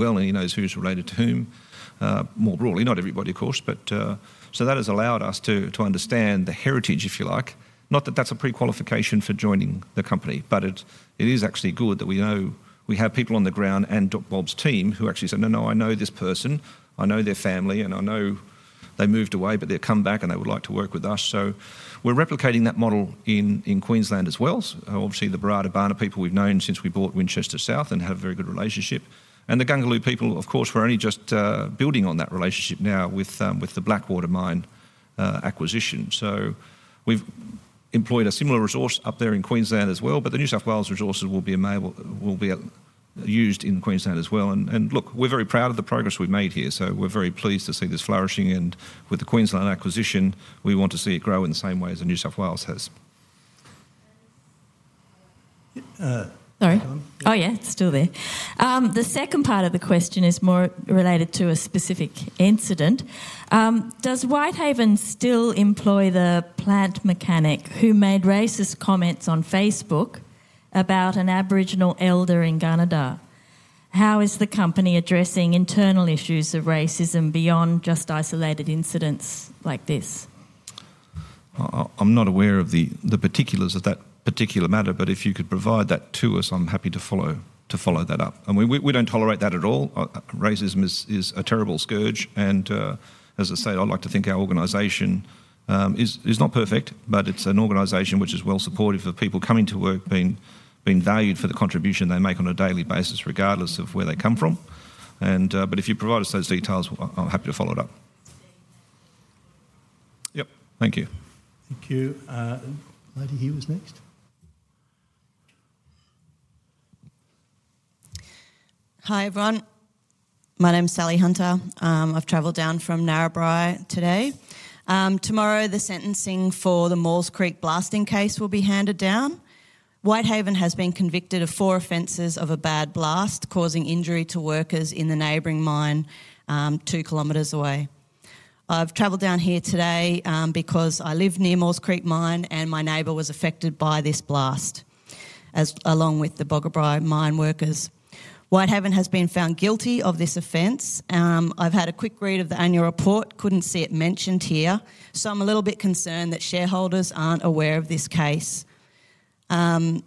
And he knows who's related to whom, more broadly. Not everybody, of course, but so that has allowed us to understand the heritage, if you like. Not that that's a pre-qualification for joining the company, but it is actually good that we know we have people on the ground and Uncle Bob's team who actually said, "No, no, I know this person, I know their family, and I know they moved away, but they've come back and they would like to work with us." So we're replicating that model in Queensland as well. Obviously the Barada Barna people we've known since we bought Winchester South and have a very good relationship. And the Gaangalu people, of course, we're only just building on that relationship now with the Blackwater Mine acquisition. We've employed a similar resource up there in Queensland as well, but the New South Wales resources will be available, will be used in Queensland as well. Look, we're very proud of the progress we've made here. We're very pleased to see this flourishing. With the Queensland acquisition, we want to see it grow in the same way as the New South Wales has. Sorry. Oh yeah, still there. The second part of the question is more related to a specific incident. Does Whitehaven still employ the plant mechanic who made racist comments on Facebook about an Aboriginal elder in Gunnedah? How is the company addressing internal issues of racism beyond just isolated incidents like this? I'm not aware of the particulars of that particular matter, but if you could provide that to us, I'm happy to follow that up. I mean, we don't tolerate that at all. Racism is a terrible scourge. As I say, I'd like to think our organization is not perfect, but it's an organization which is well supported for people coming to work, being valued for the contribution they make on a daily basis, regardless of where they come from. But if you provide us those details, I'm happy to follow it up. Yep. Thank you. Thank you. Lady, who was next? Hi everyone. My name's Sally Hunter. I've traveled down from Narrabri today. Tomorrow the sentencing for the Maules Creek blasting case will be handed down. Whitehaven has been convicted of four offenses of a bad blast causing injury to workers in the neighboring mine, two kilometers away. I've traveled down here today, because I live near Maules Creek Mine and my neighbor was affected by this blast, as well as the Boggabri mine workers. Whitehaven has been found guilty of this offense. I've had a quick read of the annual report, couldn't see it mentioned here, so I'm a little bit concerned that shareholders aren't aware of this case, and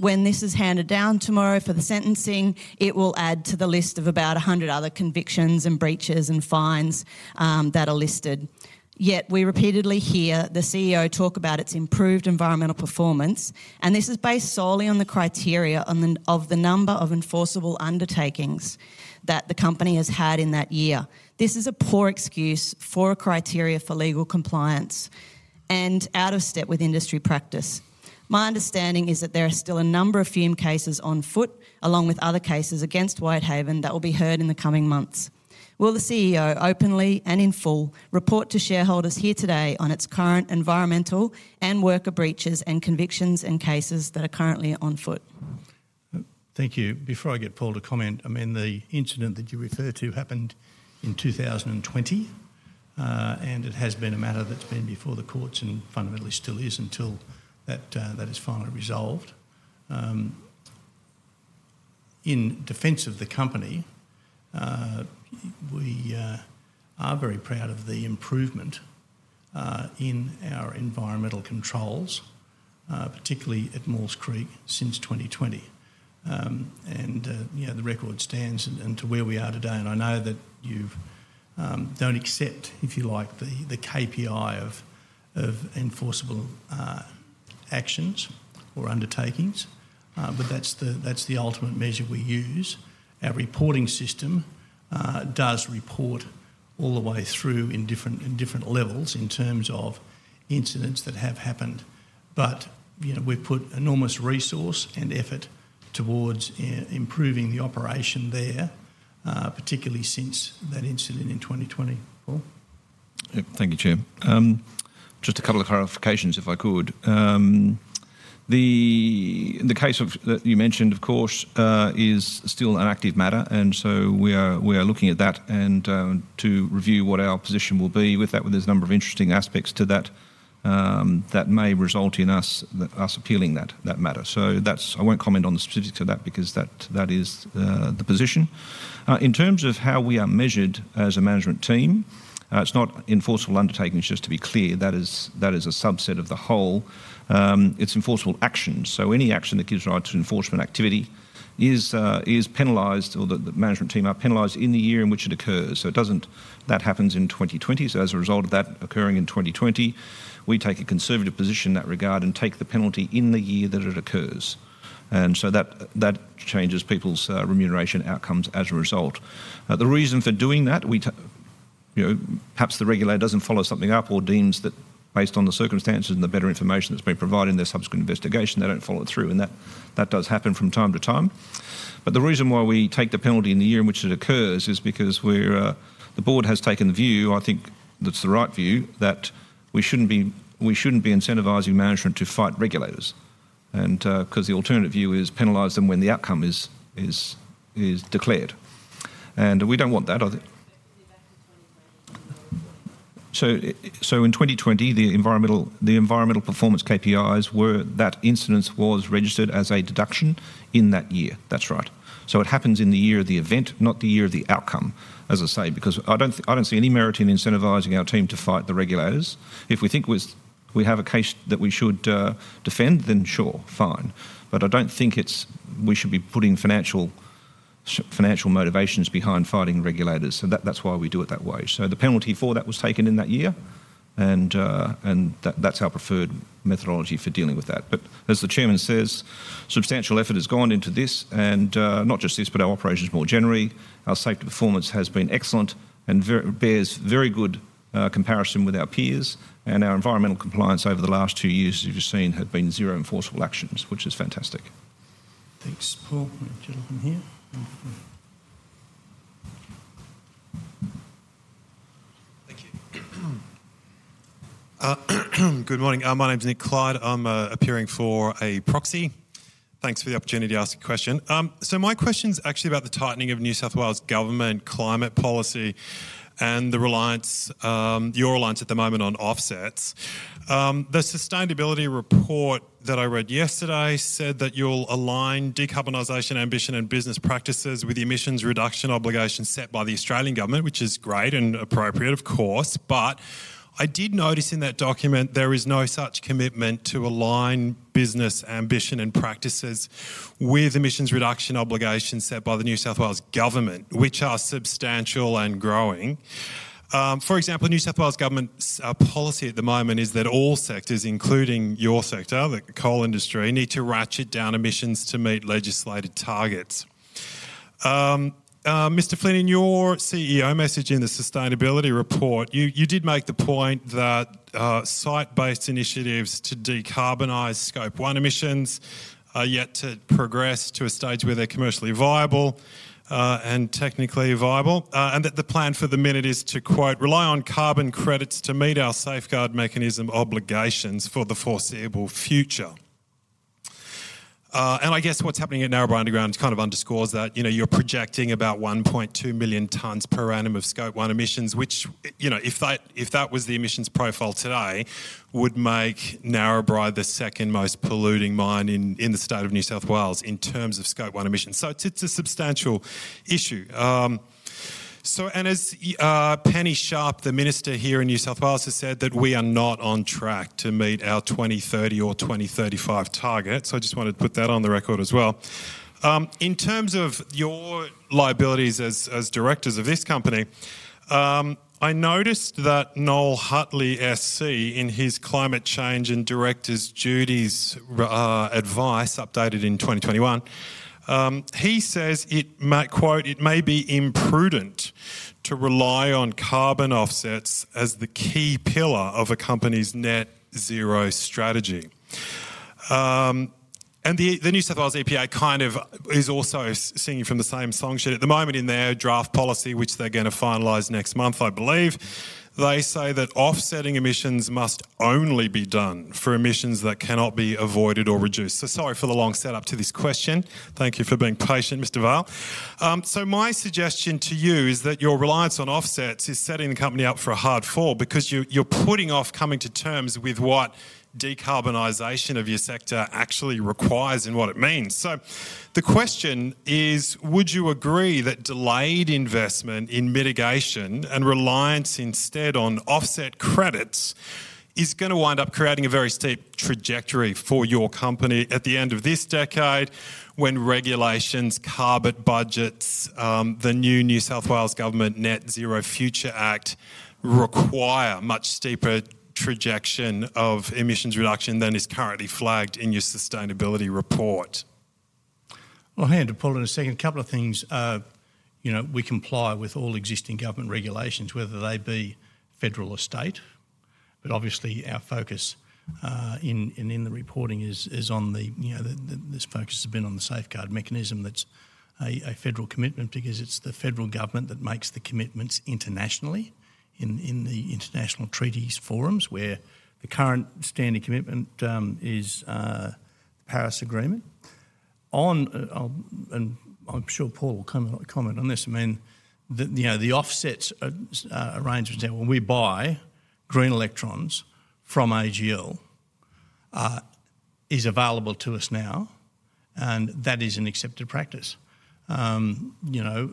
when this is handed down tomorrow for the sentencing, it will add to the list of about a hundred other convictions and breaches and fines, that are listed. Yet we repeatedly hear the CEO talk about its improved environmental performance, and this is based solely on the criteria of the number of enforceable undertakings that the company has had in that year. This is a poor excuse for a criteria for legal compliance and out of step with industry practice. My understanding is that there are still a number of fume cases on foot, along with other cases against Whitehaven that will be heard in the coming months. Will the CEO openly and in full report to shareholders here today on its current environmental and worker breaches and convictions and cases that are currently on foot? Thank you. Before I get Paul to comment, I mean, the incident that you referred to happened in 2020, and it has been a matter that's been before the courts and fundamentally still is until that is finally resolved. In defense of the company, we are very proud of the improvement in our environmental controls, particularly at Maules Creek since 2020. You know, the record stands and to where we are today. I know that you don't accept, if you like, the KPI of enforceable actions or undertakings, but that's the ultimate measure we use. Our reporting system does report all the way through in different levels in terms of incidents that have happened. But, you know, we've put enormous resource and effort towards improving the operation there, particularly since that incident in 2020. Paul? Yep. Thank you, Chair. Just a couple of clarifications if I could. The case that you mentioned, of course, is still an active matter. And so we are looking at that and to review what our position will be with that. There's a number of interesting aspects to that that may result in us appealing that matter. So that's. I won't comment on the specifics of that because that is the position. In terms of how we are measured as a management team, it's not enforceable undertakings, just to be clear. That is a subset of the whole. It's enforceable actions. So any action that gives right to enforcement activity is penalized or the management team are penalized in the year in which it occurs. So it doesn't. That happens in 2020. So as a result of that occurring in 2020, we take a conservative position in that regard and take the penalty in the year that it occurs. And so that changes people's remuneration outcomes as a result. The reason for doing that, we take you know, perhaps the regulator doesn't follow something up or deems that based on the circumstances and the better information that's been provided in their subsequent investigation, they don't follow it through. And that does happen from time to time. But the reason why we take the penalty in the year in which it occurs is because the board has taken the view, I think that's the right view, that we shouldn't be incentivizing management to fight regulators. And 'cause the alternative view is penalize them when the outcome is declared. And we don't want that. In 2020, the environmental performance KPIs were that incidents was registered as a deduction in that year. That's right. It happens in the year of the event, not the year of the outcome, as I say, because I don't see any merit in incentivizing our team to fight the regulators. If we think we have a case that we should defend, then sure, fine. But I don't think we should be putting financial motivations behind fighting regulators. That's why we do it that way. The penalty for that was taken in that year, and that's our preferred methodology for dealing with that. But as the chairman says, substantial effort has gone into this and, not just this, but our operations more generally, our safety performance has been excellent and it bears very good comparison with our peers. Our environmental compliance over the last two years, as you've seen, have been zero enforceable actions, which is fantastic. Thanks, Paul. Gentlemen here. Thank you. Good morning. My name's Nick Clyde. I'm appearing for a proxy. Thanks for the opportunity to ask a question. So my question's actually about the tightening of New South Wales government climate policy and the reliance, your reliance at the moment on offsets. The sustainability report that I read yesterday said that you'll align decarbonization ambition and business practices with the emissions reduction obligation set by the Australian government, which is great and appropriate, of course. But I did notice in that document there is no such commitment to align business ambition and practices with emissions reduction obligations set by the New South Wales government, which are substantial and growing. For example, New South Wales government's policy at the moment is that all sectors, including your sector, the coal industry, need to ratchet down emissions to meet legislated targets. Mr. Flynn, in your CEO message in the sustainability report, you did make the point that site-based initiatives to decarbonize Scope 1 emissions yet to progress to a stage where they're commercially viable and technically viable, and that the plan for the moment is to quote, "Rely on carbon credits to meet our Safeguard Mechanism obligations for the foreseeable future," and I guess what's happening at Narrabri Underground kind of underscores that, you know, you're projecting about 1.2 million tons per annum of Scope 1 emissions, which, you know, if that was the emissions profile today, would make Narrabri the second most polluting mine in the state of New South Wales in terms of Scope 1 emissions. So it's a substantial issue. As Penny Sharpe, the minister here in New South Wales, has said that we are not on track to meet our 2030 or 2035 targets. I just wanted to put that on the record as well. In terms of your liabilities as directors of this company, I noticed that Noel Hutley SC, in his climate change and directors' duties advice updated in 2021, he says, quote, "It may be imprudent to rely on carbon offsets as the key pillar of a company's net zero strategy." And the New South Wales EPA kind of is also singing from the same song sheet at the moment in their draft policy, which they're gonna finalize next month, I believe. They say that offsetting emissions must only be done for emissions that cannot be avoided or reduced. Sorry for the long setup to this question. Thank you for being patient, Mr. Paul. So my suggestion to you is that your reliance on offsets is setting the company up for a hard fall because you're putting off coming to terms with what decarbonization of your sector actually requires and what it means. So the question is, would you agree that delayed investment in mitigation and reliance instead on offset credits is gonna wind up creating a very steep trajectory for your company at the end of this decade when regulations, carbon budgets, the new New South Wales government Net Zero Future Act require much steeper trajectory of emissions reduction than is currently flagged in your sustainability report? I'll hand to Paul in a second. A couple of things, you know, we comply with all existing government regulations, whether they be federal or state. But obviously our focus in the reporting is on, you know, the focus has been on the Safeguard Mechanism that's a federal commitment because it's the federal government that makes the commitments internationally in the international treaties forums where the current standing commitment is Paris Agreement, and I'm sure Paul will comment on this. I mean, you know, the offsets arrangements that we buy green electrons from AGL is available to us now, and that is an accepted practice. You know,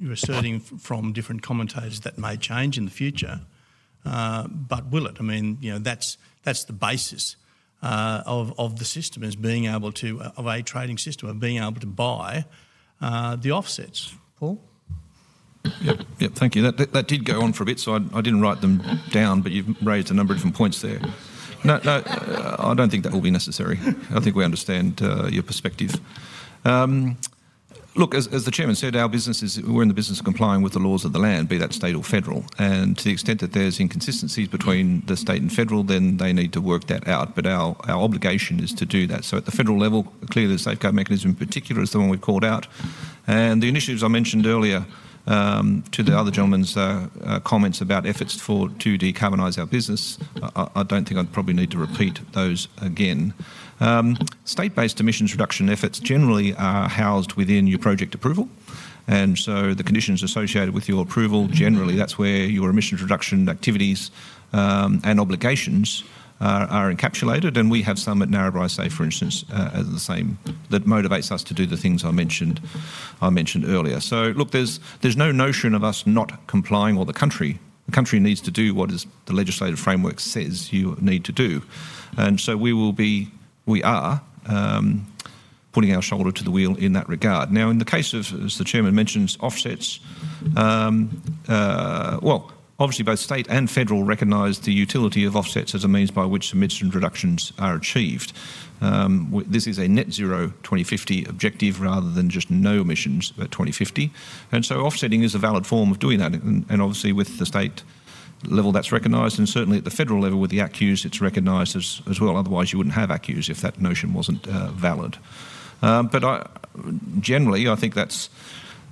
you're asserting from different commentators that may change in the future, but will it? I mean, you know, that's the basis of a trading system of being able to buy the offsets. Paul? Yep. Thank you. That did go on for a bit, so I didn't write them down, but you've raised a number of different points there. No, I don't think that will be necessary. I think we understand your perspective. Look, as the chairman said, our business is, we're in the business of complying with the laws of the land, be that state or federal. And to the extent that there's inconsistencies between the state and federal, then they need to work that out. But our obligation is to do that. So at the federal level, clearly the Safeguard Mechanism in particular is the one we've called out. And the initiatives I mentioned earlier, to the other gentleman's comments about efforts to decarbonize our business, I don't think I'd probably need to repeat those again. State-based emissions reduction efforts generally are housed within your project approval. And so the conditions associated with your approval, generally that's where your emissions reduction activities and obligations are encapsulated. And we have some at Narrabri, say for instance, as the same that motivates us to do the things I mentioned earlier. So look, there's no notion of us not complying or the country needs to do what the legislative framework says you need to do. And so we are putting our shoulder to the wheel in that regard. Now, in the case of, as the chairman mentions, offsets, well, obviously both state and federal recognize the utility of offsets as a means by which emissions reductions are achieved. This is a net zero 2050 objective rather than just no emissions by 2050. And so offsetting is a valid form of doing that. And obviously with the state level that's recognized and certainly at the federal level with the ACCUs, it's recognized as well. Otherwise you wouldn't have ACCUs if that notion wasn't valid. But I generally I think that's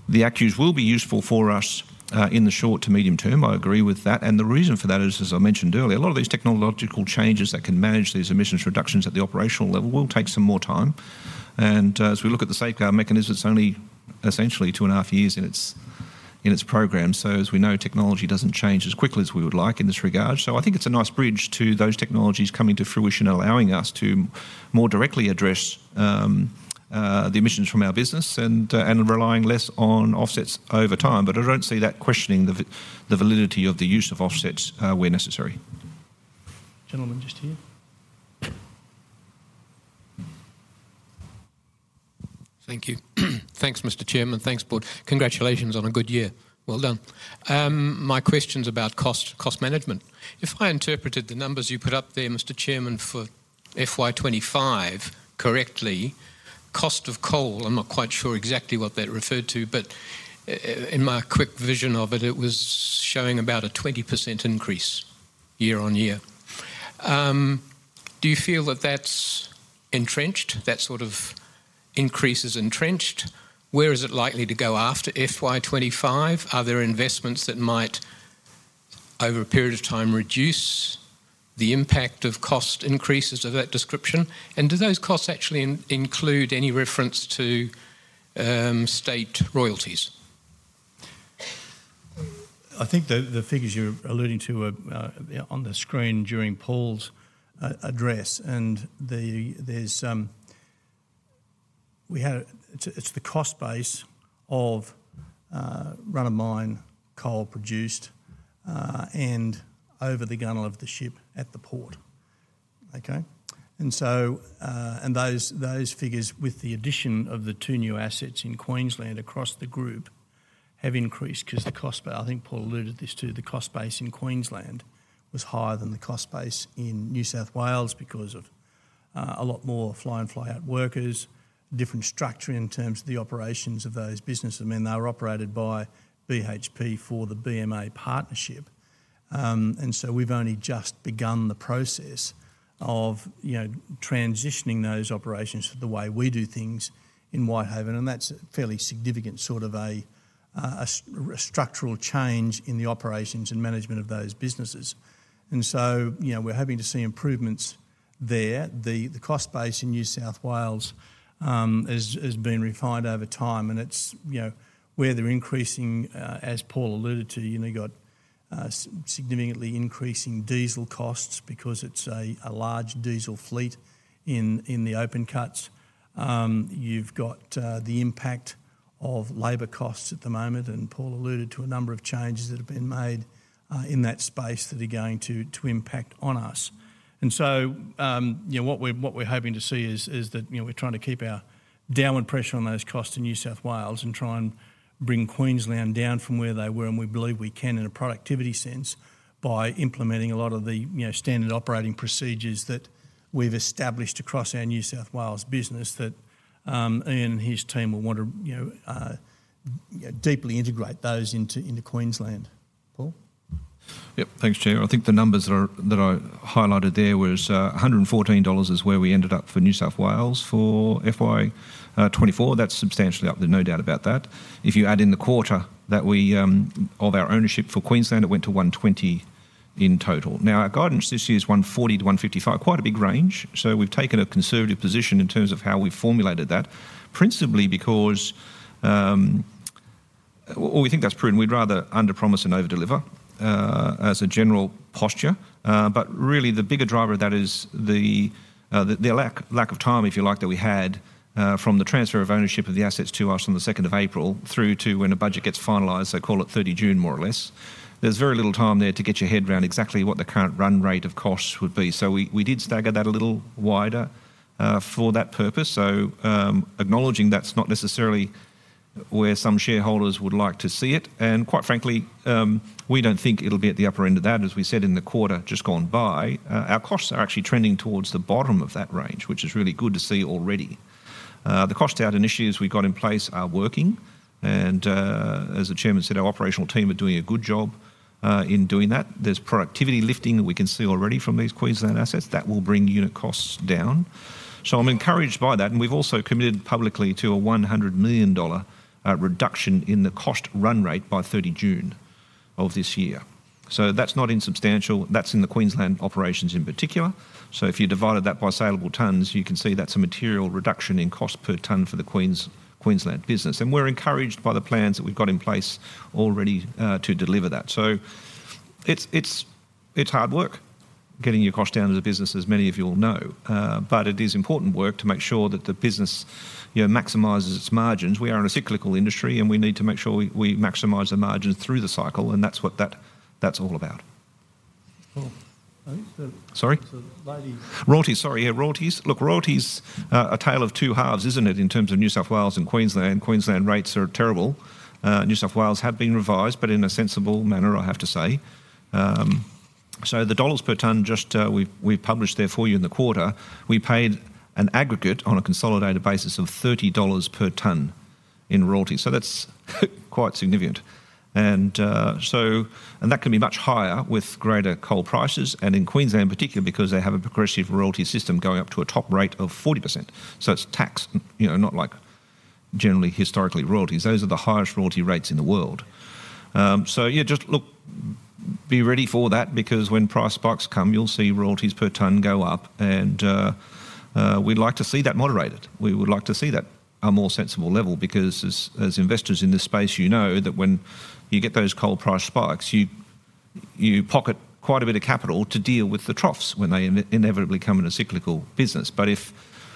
the ACCUs will be useful for us in the short to medium term. I agree with that. And the reason for that is, as I mentioned earlier, a lot of these technological changes that can manage these emissions reductions at the operational level will take some more time. And as we look at the Safeguard Mechanism, it's only essentially two and a half years in its program. So as we know, technology doesn't change as quickly as we would like in this regard. So I think it's a nice bridge to those technologies coming to fruition, allowing us to more directly address the emissions from our business and relying less on offsets over time. But I don't see that questioning the validity of the use of offsets, where necessary. Gentlemen, just here. Thank you. Thanks, Mr. Chairman. Thanks, Paul. Congratulations on a good year. Well done. My question's about cost, cost management. If I interpreted the numbers you put up there, Mr. Chairman, for FY25 correctly, cost of coal, I'm not quite sure exactly what that referred to, but in my quick vision of it, it was showing about a 20% increase year on year. Do you feel that that's entrenched, that sort of increase is entrenched? Where is it likely to go after FY25? Are there investments that might over a period of time reduce the impact of cost increases of that description? And do those costs actually include any reference to state royalties? I think the figures you're alluding to are on the screen during Paul's address. It's the cost base of run of mine coal produced, and over the gunwale of the ship at the port. Okay. And so those figures with the addition of the two new assets in Queensland across the group have increased 'cause the cost, I think Paul alluded this to, the cost base in Queensland was higher than the cost base in New South Wales because of a lot more fly-in fly-out workers, different structure in terms of the operations of those businesses. I mean, they're operated by BHP for the BMA partnership. And so we've only just begun the process of, you know, transitioning those operations to the way we do things in Whitehaven. And that's a fairly significant sort of a structural change in the operations and management of those businesses. And so, you know, we're hoping to see improvements there. The cost base in New South Wales has been refined over time. And it's, you know, where they're increasing, as Paul alluded to, you know, you got significantly increasing diesel costs because it's a large diesel fleet in the open cuts. You've got the impact of labor costs at the moment. And Paul alluded to a number of changes that have been made in that space that are going to impact on us. And so, you know, what we're hoping to see is that, you know, we're trying to keep our downward pressure on those costs in New South Wales and try and bring Queensland down from where they were. We believe we can in a productivity sense by implementing a lot of the, you know, standard operating procedures that we've established across our New South Wales business that, Ian and his team will want to, you know, deeply integrate those into, into Queensland. Paul? Yep. Thanks, Chair. I think the numbers that are highlighted there was $114 is where we ended up for New South Wales for FY 24. That's substantially up there. No doubt about that. If you add in the quarter that we of our ownership for Queensland, it went to 120 in total. Now, our guidance this year is $140-$155, quite a big range. So we've taken a conservative position in terms of how we've formulated that principally because, or we think that's prudent. We'd rather underpromise and overdeliver, as a general posture. But really the bigger driver of that is the lack of time, if you like, that we had, from the transfer of ownership of the assets to us on the 2nd of April through to when a budget gets finalized, so call it 30 June, more or less. There's very little time there to get your head around exactly what the current run rate of costs would be. So we did stagger that a little wider, for that purpose. So, acknowledging that's not necessarily where some shareholders would like to see it. And quite frankly, we don't think it'll be at the upper end of that. As we said in the quarter just gone by, our costs are actually trending towards the bottom of that range, which is really good to see already. The cost out initiatives we've got in place are working. And, as the chairman said, our operational team are doing a good job in doing that. There's productivity lifting that we can see already from these Queensland assets that will bring unit costs down. So I'm encouraged by that. We've also committed publicly to a 100 million dollar reduction in the cost run rate by 30 June of this year. So that's not insubstantial. That's in the Queensland operations in particular. So if you divided that by saleable tons, you can see that's a material reduction in cost per ton for the Queensland business. We're encouraged by the plans that we've got in place already to deliver that. So it's hard work getting your cost down as a business, as many of you will know. But it is important work to make sure that the business, you know, maximizes its margins. We are in a cyclical industry and we need to make sure we maximize the margins through the cycle. That's what that's all about. Paul. Sorry? So ladies. Royalties. Sorry. Yeah. Royalties, look, royalties a tale of two halves, isn't it, in terms of New South Wales and Queensland? Queensland rates are terrible. New South Wales have been revised, but in a sensible manner, I have to say. So the dollars per ton just, we've published there for you in the quarter. We paid an aggregate on a consolidated basis of 30 dollars per ton in royalty. So that's quite significant. And so, that can be much higher with greater coal prices and in Queensland in particular, because they have a progressive royalty system going up to a top rate of 40%. So it's tax, you know, not like generally historically royalties. Those are the highest royalty rates in the world. So yeah, just look, be ready for that because when price spikes come, you'll see royalties per ton go up. We'd like to see that moderated. We would like to see that a more sensible level because as investors in this space, you know that when you get those coal price spikes, you pocket quite a bit of capital to deal with the troughs when they inevitably come in a cyclical business. But if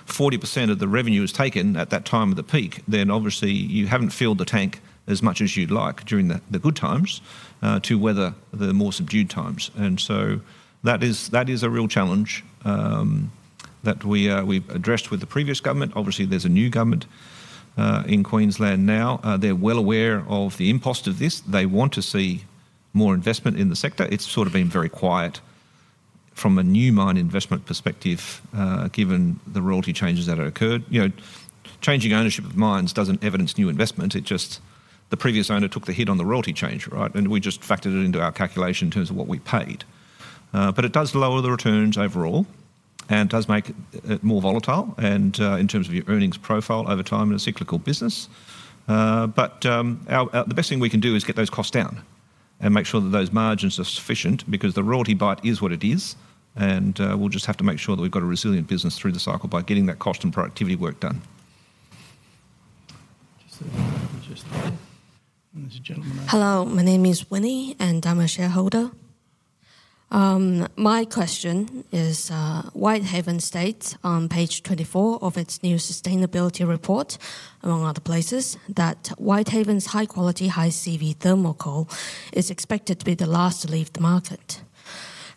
40% of the revenue is taken at that time of the peak, then obviously you haven't filled the tank as much as you'd like during the good times, to weather the more subdued times. And so that is a real challenge, that we've addressed with the previous government. Obviously there's a new government in Queensland now. They're well aware of the impost of this. They want to see more investment in the sector. It's sort of been very quiet from a new mine investment perspective, given the royalty changes that have occurred. You know, changing ownership of mines doesn't evidence new investment. It just, the previous owner took the hit on the royalty change, right? And we just factored it into our calculation in terms of what we paid, but it does lower the returns overall and does make it more volatile and, in terms of your earnings profile over time in a cyclical business, but our, the best thing we can do is get those costs down and make sure that those margins are sufficient because the royalty bite is what it is, and we'll just have to make sure that we've got a resilient business through the cycle by getting that cost and productivity work done. Hello. My name is Winnie and I'm a shareholder. My question is, Whitehaven states on page 24 of its new sustainability report, among other places, that Whitehaven's high quality, high CV thermal coal is expected to be the last to leave the market.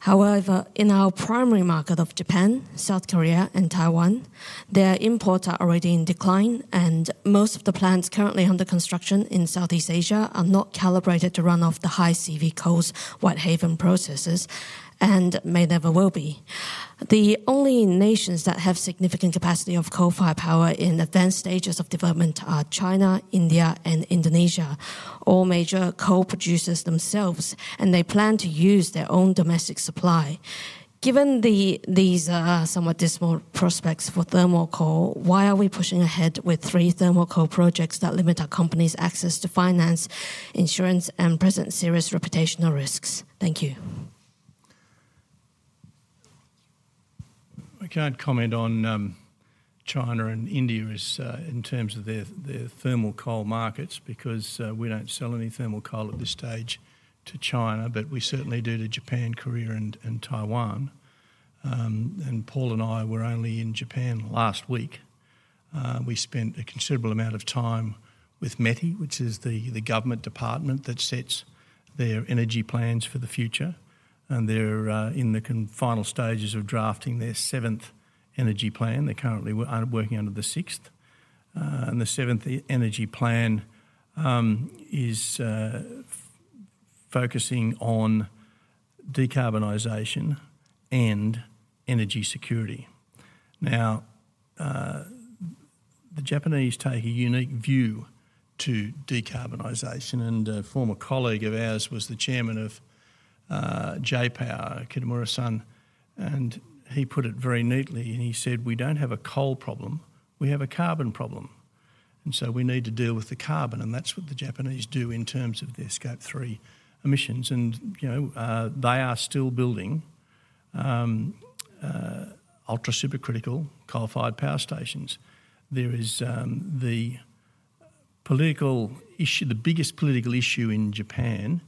However, in our primary market of Japan, South Korea and Taiwan, their imports are already in decline and most of the plants currently under construction in Southeast Asia are not calibrated to run off the high CV coals Whitehaven processes and may never be. The only nations that have significant capacity of coal-fired power in advanced stages of development are China, India, and Indonesia, all major coal producers themselves, and they plan to use their own domestic supply. Given these somewhat dismal prospects for thermal coal, why are we pushing ahead with three thermal coal projects that limit our company's access to finance, insurance, and present serious reputational risks? Thank you. I can't comment on China and India in terms of their thermal coal markets because we don't sell any thermal coal at this stage to China, but we certainly do to Japan, Korea, and Taiwan. Paul and I were only in Japan last week. We spent a considerable amount of time with METI, which is the government department that sets their energy plans for the future. They're in the final stages of drafting their seventh energy plan. They're currently working under the sixth. The seventh energy plan is focusing on decarbonization and energy security. Now, the Japanese take a unique view to decarbonization. A former colleague of ours was the chairman of J-Power, Kitamura-san, and he put it very neatly. He said, we don't have a coal problem, we have a carbon problem. We need to deal with the carbon. That's what the Japanese do in terms of their Scope 3 emissions. You know, they are still building ultra-supercritical coal-fired power stations. The biggest political issue in Japan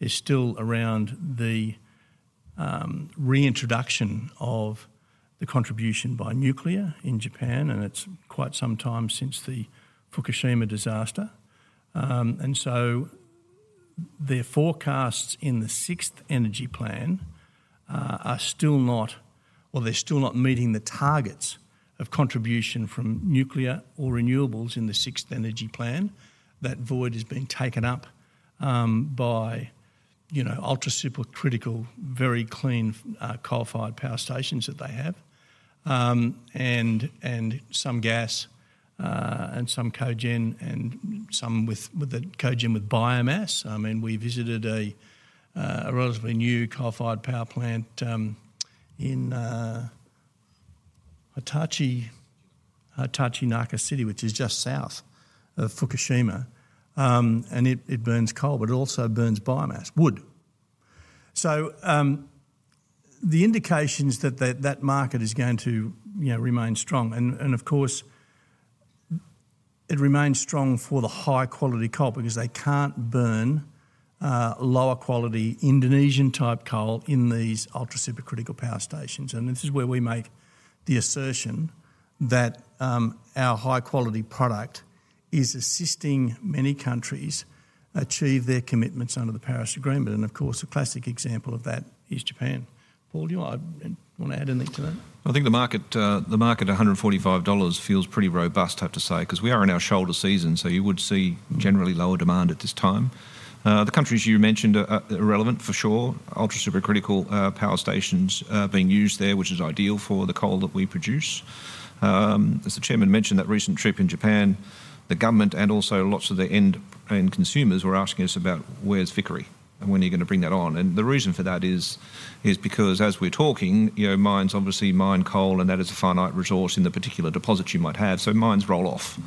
is still around the reintroduction of the contribution by nuclear in Japan. It's quite some time since the Fukushima disaster. Their forecasts in the sixth energy plan are still not meeting the targets of contribution from nuclear or renewables in the sixth energy plan. Well, that void has been taken up by, you know, ultra-supercritical, very clean, coal-fired power stations that they have. And some gas, and some cogen and some with the cogen with biomass. I mean, we visited a relatively new coal-fired power plant in Hitachinaka City, which is just south of Fukushima. It burns coal, but it also burns biomass wood. The indications that the market is going to, you know, remain strong. Of course it remains strong for the high-quality coal because they can't burn lower-quality Indonesian-type coal in these ultra-supercritical power stations. This is where we make the assertion that our high-quality product is assisting many countries achieve their commitments under the Paris Agreement. Of course, a classic example of that is Japan. Paul, do you wanna add anything to that? I think the market at $145 feels pretty robust, I have to say, 'cause we are in our shoulder season. You would see generally lower demand at this time. The countries you mentioned are relevant for sure. Ultra-supercritical power stations being used there, which is ideal for the coal that we produce. As the chairman mentioned, that recent trip in Japan, the government and also lots of the end consumers were asking us about where's Vickery and when are you gonna bring that on? And the reason for that is because as we are talking, you know, mines obviously mine coal and that is a finite resource in the particular deposit you might have. So mines roll off.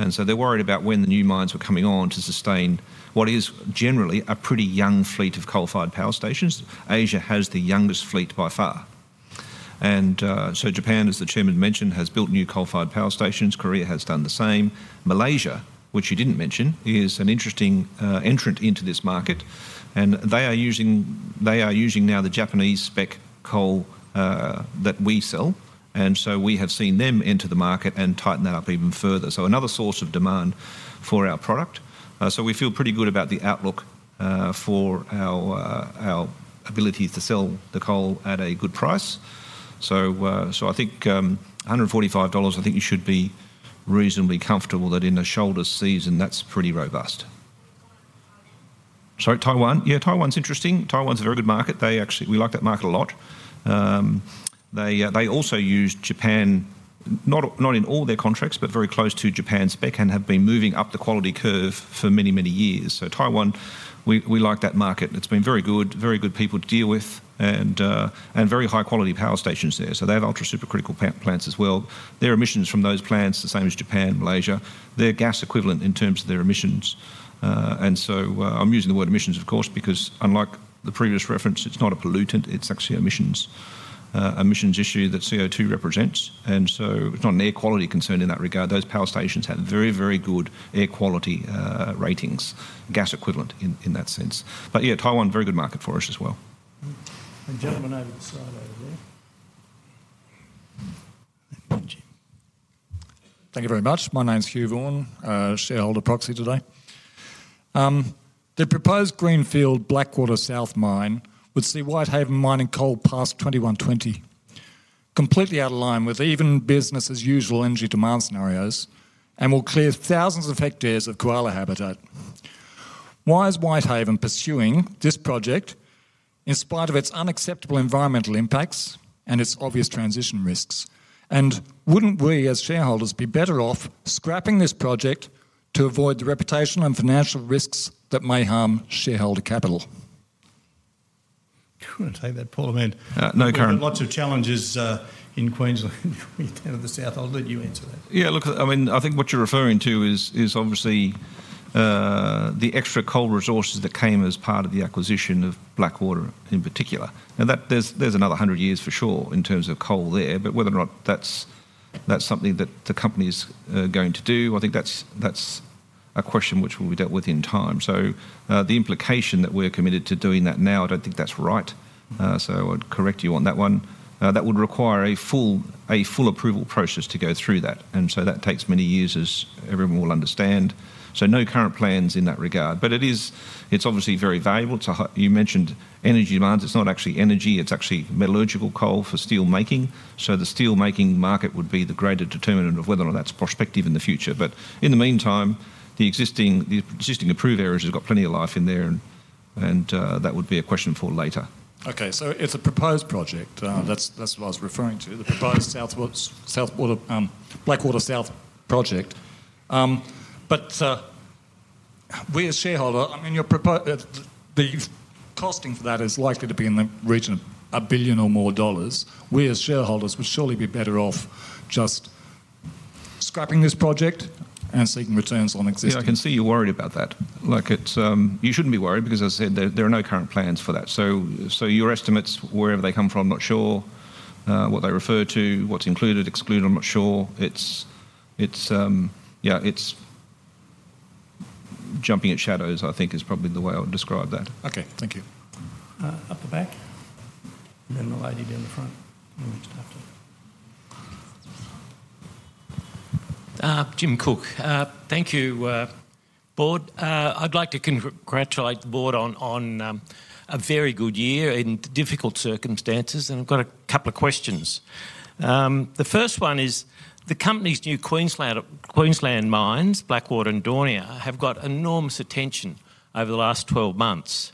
And so they're worried about when the new mines are coming on to sustain what is generally a pretty young fleet of coal-fired power stations. Asia has the youngest fleet by far. And so Japan, as the chairman mentioned, has built new coal-fired power stations. Korea has done the same. Malaysia, which you didn't mention, is an interesting entrant into this market, and they are using now the Japanese spec coal that we sell. And so we have seen them enter the market and tighten that up even further. So another source of demand for our product, so we feel pretty good about the outlook for our ability to sell the coal at a good price. So I think $145. I think you should be reasonably comfortable that in a shoulder season, that's pretty robust. Sorry, Taiwan. Yeah, Taiwan's interesting. Taiwan's a very good market. They actually, we like that market a lot. They also use Japan, not in all their contracts, but very close to Japan spec and have been moving up the quality curve for many, many years, so Taiwan, we like that market. It's been very good, very good people to deal with and, and very high quality power stations there. So they have ultra-supercritical plants as well. Their emissions from those plants, the same as Japan, Malaysia, their gas equivalent in terms of their emissions. And so, I'm using the word emissions, of course, because unlike the previous reference, it's not a pollutant, it's actually emissions, emissions issue that CO2 represents. And so it's not an air quality concern in that regard. Those power stations have very, very good air quality ratings, gas equivalent in, in that sense. But yeah, Taiwan, very good market for us as well. Gentlemen over the side over there. Thank you very much. My name's Hugh Vaughan, shareholder proxy today. The proposed greenfield Blackwater South mine would see Whitehaven mining coal past 2120, completely out of line with even business as usual energy demand scenarios and will clear thousands of hectares of koala habitat. Why is Whitehaven pursuing this project in spite of its unacceptable environmental impacts and its obvious transition risks? And wouldn't we as shareholders be better off scrapping this project to avoid the reputational and financial risks that may harm shareholder capital? I'm gonna take that, Paul. I mean, no current. Lots of challenges in Queensland, the south. I'll let you answer that. Yeah, look, I mean, I think what you're referring to is obviously the extra coal resources that came as part of the acquisition of Blackwater in particular. Now that there's another hundred years for sure in terms of coal there, but whether or not that's something that the company's going to do, I think that's a question which will be dealt with in time. So, the implication that we are committed to doing that now, I don't think that's right. So I'd correct you on that one. That would require a full approval process to go through that. And so that takes many years as everyone will understand. So no current plans in that regard. But it is, it's obviously very valuable. It's a, you mentioned energy demands. It's not actually energy, it's actually metallurgical coal for steel making. So the steel making market would be the greater determinant of whether or not that's prospective in the future. But in the meantime, the existing approved areas have got plenty of life in there and that would be a question for later. Okay. So it's a proposed project. That's what I was referring to, the proposed Blackwater South project. But we as shareholder, I mean, your proposed, the costing for that is likely to be in the region of 1 billion or more. We as shareholders would surely be better off just scrapping this project and seeking returns on existing. Yeah, I can see you're worried about that. Like it's, you shouldn't be worried because as I said, there are no current plans for that. So your estimates, wherever they come from, I'm not sure what they refer to, what's included, excluded, I'm not sure. It's yeah, it's jumping at shadows, I think is probably the way I would describe that. Okay. Thank you. Up the back and then the lady down the front. Jim Cook, thank you, board. I'd like to congratulate the board on a very good year in difficult circumstances. And I've got a couple of questions. The first one is the company's new Queensland mines, Blackwater and Daunia, have got enormous attention over the last 12 months,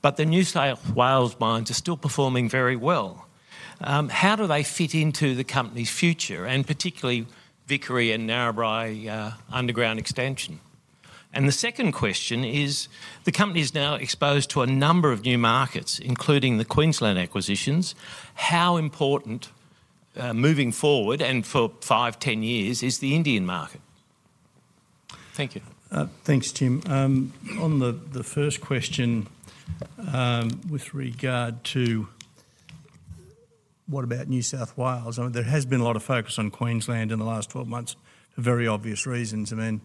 but the New South Wales mines are still performing very well. How do they fit into the company's future and particularly Vickery and Narrabri underground extension? And the second question is the company's now exposed to a number of new markets, including the Queensland acquisitions. How important, moving forward and for five, 10 years, is the Indian market? Thank you. Thanks, Jim. On the first question, with regard to what about New South Wales? I mean, there has been a lot of focus on Queensland in the last 12 months for very obvious reasons. I mean,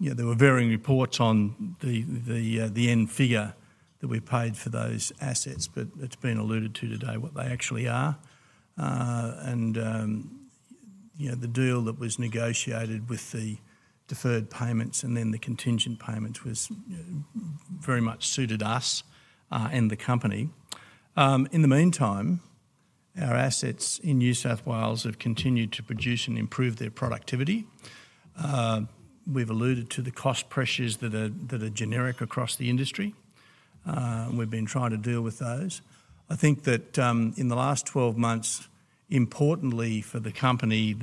you know, there were varying reports on the end figure that we paid for those assets, but it's been alluded to today what they actually are, and you know, the deal that was negotiated with the deferred payments and then the contingent payments was very much suited to us, and the company. In the meantime, our assets in New South Wales have continued to produce and improve their productivity. We've alluded to the cost pressures that are generic across the industry. We've been trying to deal with those. I think that, in the last 12 months, importantly for the company,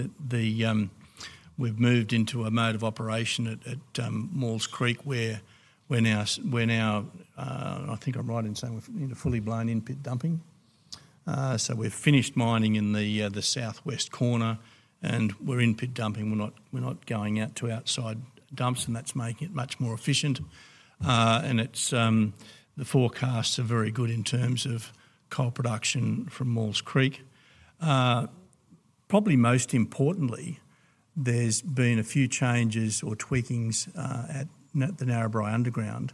we've moved into a mode of operation at Maules Creek where now I think I'm right in saying we're, you know, fully blown in pit dumping. So we've finished mining in the southwest corner and we're in pit dumping. We're not going out to outside dumps and that's making it much more efficient, and the forecasts are very good in terms of coal production from Maules Creek. Probably most importantly, there's been a few changes or tweakings at the Narrabri Underground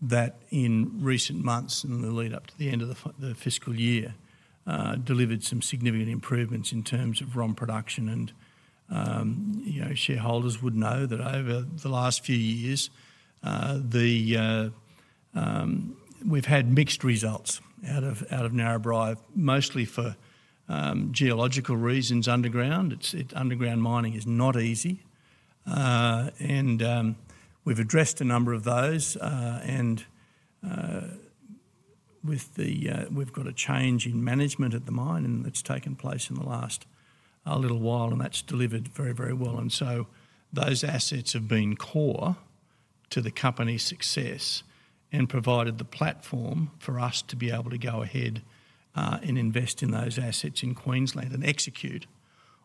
that in recent months and the lead-up to the end of the fiscal year delivered some significant improvements in terms of ROM production. You know, shareholders would know that over the last few years, we've had mixed results out of Narrabri, mostly for geological reasons. Underground, it's underground mining is not easy. We've addressed a number of those, and we've got a change in management at the mine and that's taken place in the last little while and that's delivered very, very well. So those assets have been core to the company's success and provided the platform for us to be able to go ahead and invest in those assets in Queensland and execute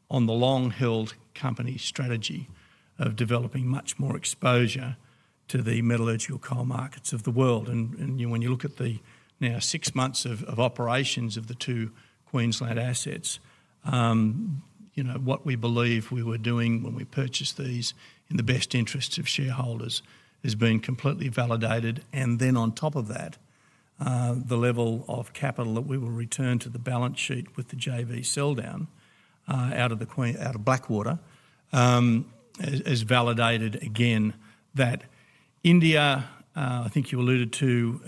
on the long-held company strategy of developing much more exposure to the metallurgical coal markets of the world. And you know, when you look at the now six months of operations of the two Queensland assets, you know, what we believe we were doing when we purchased these in the best interests of shareholders has been completely validated. And then on top of that, the level of capital that we will return to the balance sheet with the JV sell down, out of Queensland, out of Blackwater, as validated again that India, I think you alluded to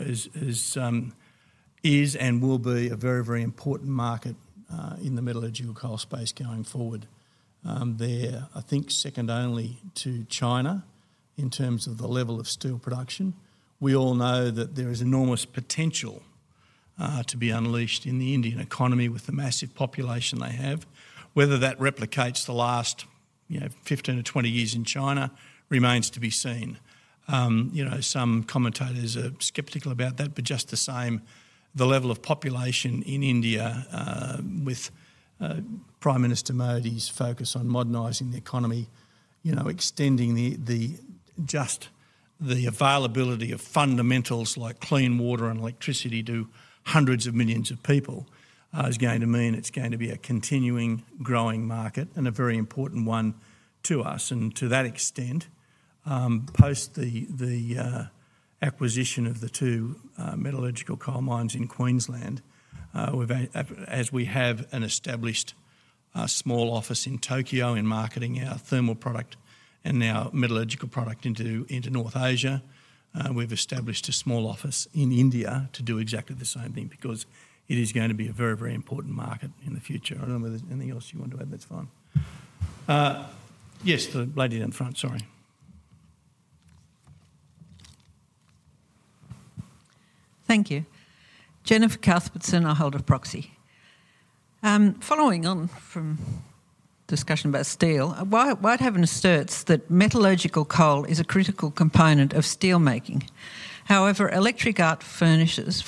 is and will be a very, very important market, in the metallurgical coal space going forward. They're, I think, second only to China in terms of the level of steel production. We all know that there is enormous potential to be unleashed in the Indian economy with the massive population they have. Whether that replicates the last, you know, 15 or 20 years in China remains to be seen. You know, some commentators are skeptical about that, but just the same, the level of population in India, with Prime Minister Modi's focus on modernizing the economy, you know, extending the just the availability of fundamentals like clean water and electricity to hundreds of millions of people, is going to mean it's going to be a continuing growing market and a very important one to us. And to that extent, post the acquisition of the two metallurgical coal mines in Queensland, we have a, as we have an established small office in Tokyo in marketing our thermal product and now metallurgical product into North Asia. We've established a small office in India to do exactly the same thing because it is going to be a very, very important market in the future. I don't know whether there's anything else you want to add. That's fine. Yes, the lady down the front. Sorry. Thank you. Jennifer Cuthbertson, I hold a proxy. Following on from discussion about steel, why, why Whitehaven asserts that metallurgical coal is a critical component of steel making. However, electric arc furnaces,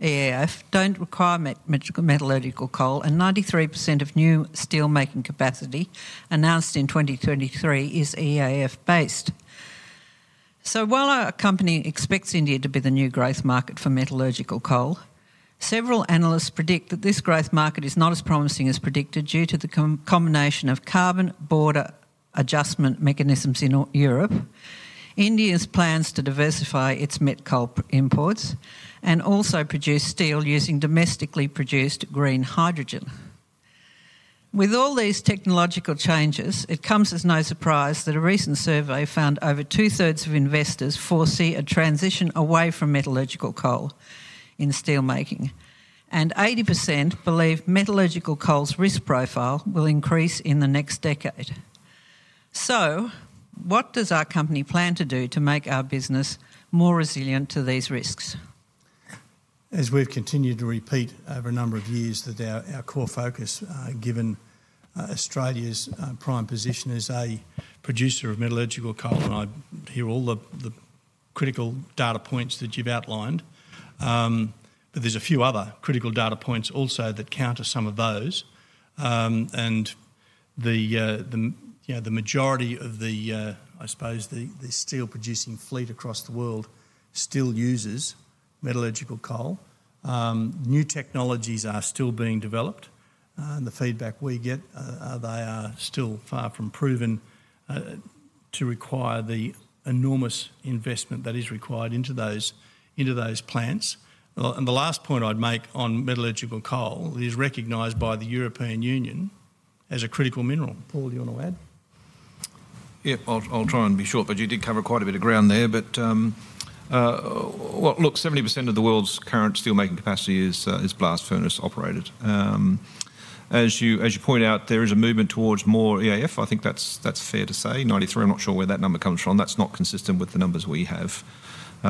EAF don't require metallurgical coal, and 93% of new steel making capacity announced in 2023 is EAF based. So while our company expects India to be the new growth market for metallurgical coal, several analysts predict that this growth market is not as promising as predicted due to the combination of carbon border adjustment mechanisms in Europe, India's plans to diversify its met coal imports and also produce steel using domestically produced green hydrogen. With all these technological changes, it comes as no surprise that a recent survey found over two thirds of investors foresee a transition away from metallurgical coal in steel making, and 80% believe metallurgical coal's risk profile will increase in the next decade. So what does our company plan to do to make our business more resilient to these risks? As we've continued to repeat over a number of years that our core focus, given Australia's prime position as a producer of metallurgical coal, and I hear all the critical data points that you've outlined, but there's a few other critical data points also that counter some of those. And the you know the majority of the I suppose the steel producing fleet across the world still uses metallurgical coal. New technologies are still being developed. The feedback we get, they are still far from proven to require the enormous investment that is required into those plants. And the last point I'd make on metallurgical coal is recognized by the European Union as a critical mineral. Paul, do you wanna add? Yeah, I'll try and be short, but you did cover quite a bit of ground there. But well, look, 70% of the world's current steelmaking capacity is blast furnace operated. As you point out, there is a movement towards more EAF. I think that's fair to say 93%. I'm not sure where that number comes from. That's not consistent with the numbers we have,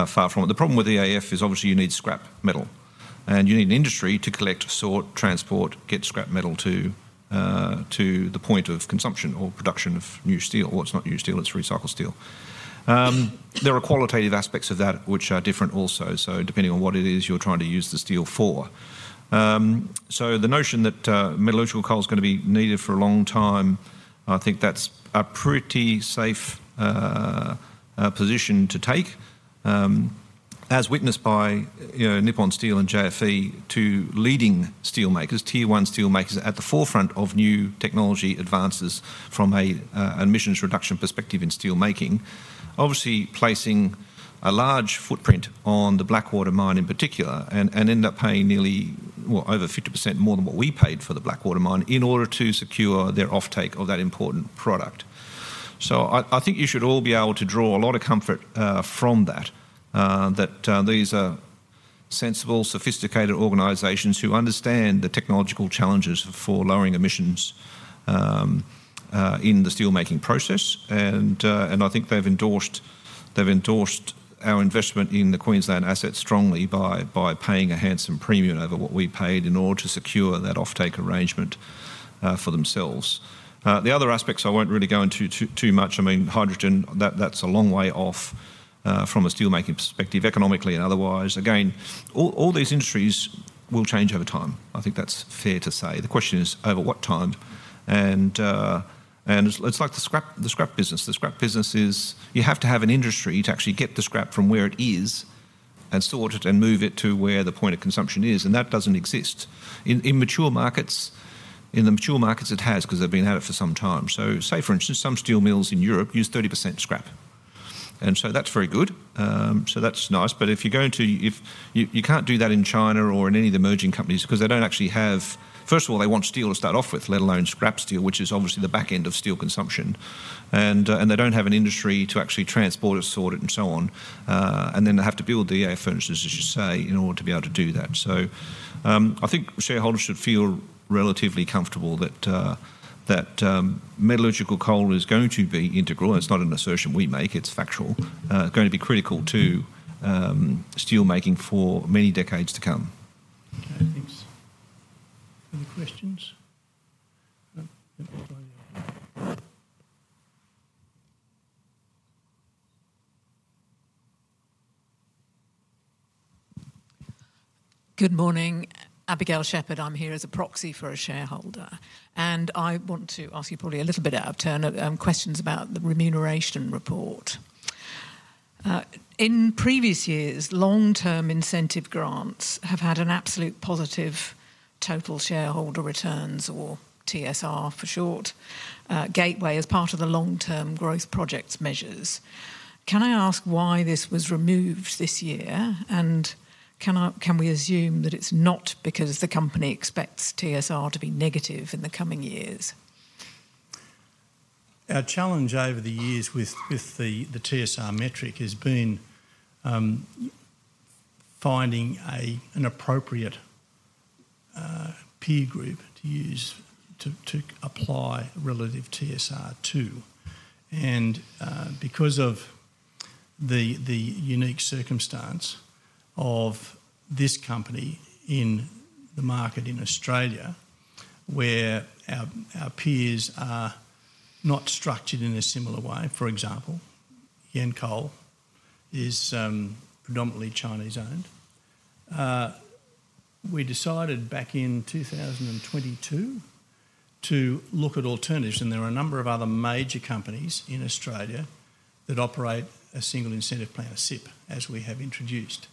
far from it. The problem with EAF is obviously you need scrap metal and you need an industry to collect, sort, transport, get scrap metal to the point of consumption or production of new steel. Well, it's not new steel, it's recycled steel. There are qualitative aspects of that which are different also. Depending on what it is you're trying to use the steel for. So the notion that metallurgical coal's gonna be needed for a long time, I think that's a pretty safe position to take. As witnessed by, you know, Nippon Steel and JFE, two leading steel makers, tier one steel makers at the forefront of new technology advances from an emissions reduction perspective in steel making, obviously placing a large footprint on the Blackwater Mine in particular and end up paying nearly, well, over 50% more than what we paid for the Blackwater Mine in order to secure their offtake of that important product. So I think you should all be able to draw a lot of comfort from that that these are sensible, sophisticated organizations who understand the technological challenges for lowering emissions in the steel making process. I think they've endorsed our investment in the Queensland assets strongly by paying a handsome premium over what we paid in order to secure that offtake arrangement for themselves. The other aspects I won't really go into too much. I mean, hydrogen, that's a long way off from a steel making perspective economically and otherwise. Again, all these industries will change over time. I think that's fair to say. The question is over what time? It's like the scrap business. The scrap business is you have to have an industry to actually get the scrap from where it is and sort it and move it to where the point of consumption is. That doesn't exist in mature markets. In the mature markets, it has 'cause they've been at it for some time. So say for instance, some steel mills in Europe use 30% scrap. And so that's very good. So that's nice. But if you're going to, if you, you can't do that in China or in any of the emerging countries 'cause they don't actually have, first of all, they want steel to start off with, let alone scrap steel, which is obviously the backend of steel consumption. And, and they don't have an industry to actually transport it, sort it, and so on. And then they have to build the EAF furnaces, as you say, in order to be able to do that. So, I think shareholders should feel relatively comfortable that, that, metallurgical coal is going to be integral. It's not an assertion we make, it's factual, going to be critical to, steel making for many decades to come. Okay. Thanks. Any questions? Good morning. Abigail Shepherd, I'm here as a proxy for a shareholder, and I want to ask you probably a little bit out of turn, questions about the remuneration report. In previous years, long-term incentive grants have had an absolute positive total shareholder returns, or TSR for short, gateway as part of the long-term growth project's measures. Can I ask why this was removed this year? And can I, can we assume that it's not because the company expects TSR to be negative in the coming years? Our challenge over the years with the TSR metric has been finding an appropriate peer group to use to apply relative TSR to. And because of the unique circumstance of this company in the market in Australia where our peers are not structured in a similar way, for example, Yancoal is predominantly Chinese owned, we decided back in 2022 to look at alternatives. And there are a number of other major companies in Australia that operate a single incentive plan, a SIP, as we have introduced.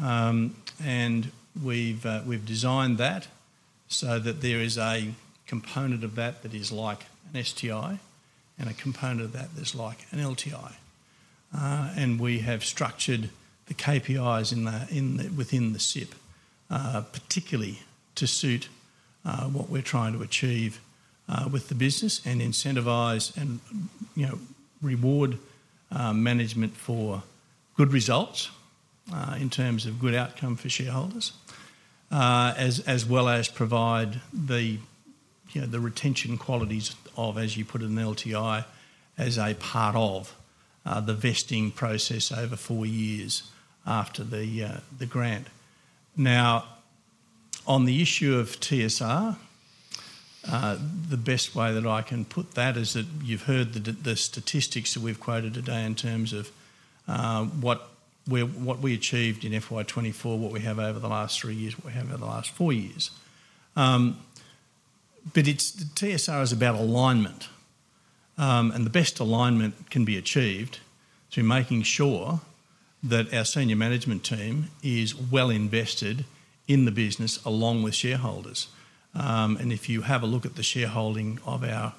And we've designed that so that there is a component of that that is like an STI and a component of that that's like an LTI. And we have structured the KPIs within the SIP, particularly to suit what we're trying to achieve with the business and incentivize and, you know, reward management for good results in terms of good outcome for shareholders, as well as provide the, you know, the retention qualities of, as you put it in the LTI, as a part of the vesting process over four years after the grant. Now, on the issue of TSR, the best way that I can put that is that you've heard the statistics that we've quoted today in terms of what we achieved in FY 24, what we have over the last three years, what we have over the last four years. But it's the TSR is about alignment. And the best alignment can be achieved through making sure that our senior management team is well invested in the business along with shareholders. And if you have a look at the shareholding of our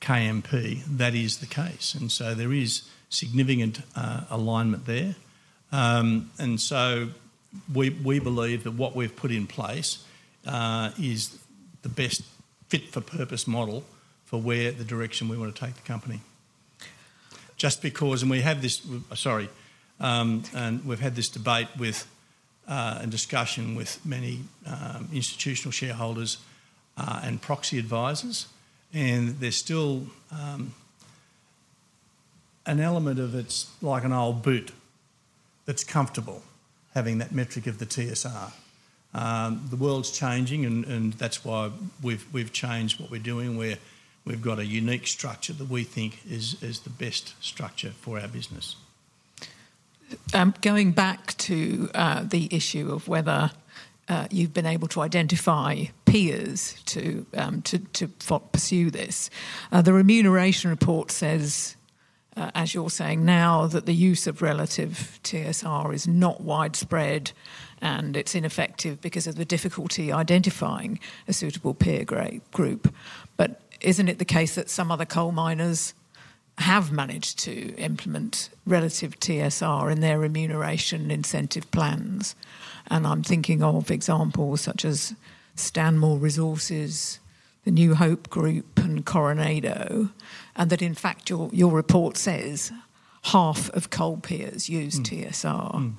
KMP, that is the case. And so there is significant alignment there. And so we, we believe that what we've put in place is the best fit for purpose model for where the direction we wanna take the company. Just because, and we have this, sorry, and we've had this debate with, and discussion with many institutional shareholders, and proxy advisors, and there's still an element of it's like an old boot that's comfortable having that metric of the TSR. The world's changing and, and that's why we've, we've changed what we're doing. We're, we've got a unique structure that we think is the best structure for our business. Going back to the issue of whether you've been able to identify peers to pursue this, the remuneration report says, as you are saying now, that the use of relative TSR is not widespread and it's ineffective because of the difficulty identifying a suitable peer group. But isn't it the case that some other coal miners have managed to implement relative TSR in their remuneration incentive plans? And I'm thinking of examples such as Stanmore Resources, the New Hope Group, and Coronado, and that in fact your report says half of coal peers use TSR.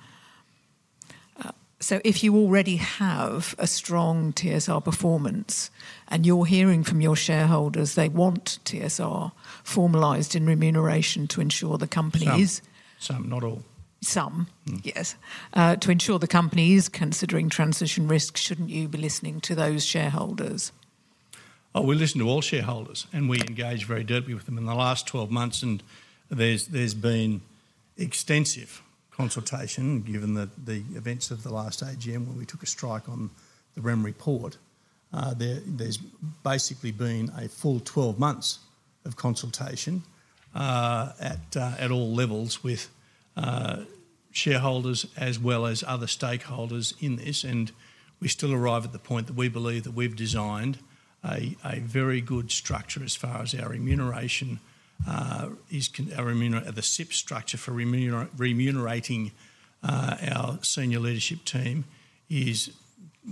So if you already have a strong TSR performance and you are hearing from your shareholders, they want TSR formalized in remuneration to ensure the companies. Some, some not all. Some, yes. To ensure the company is considering transition risks, shouldn't you be listening to those shareholders? Oh, we listen to all shareholders and we engage very deeply with them in the last 12 months. And there's been extensive consultation given the events of the last AGM when we took a strike on the Rem report. There's basically been a full 12 months of consultation at all levels with shareholders as well as other stakeholders in this. And we still arrive at the point that we believe that we've designed a very good structure as far as our remuneration is concerned, the SIP structure for remunerating our senior leadership team is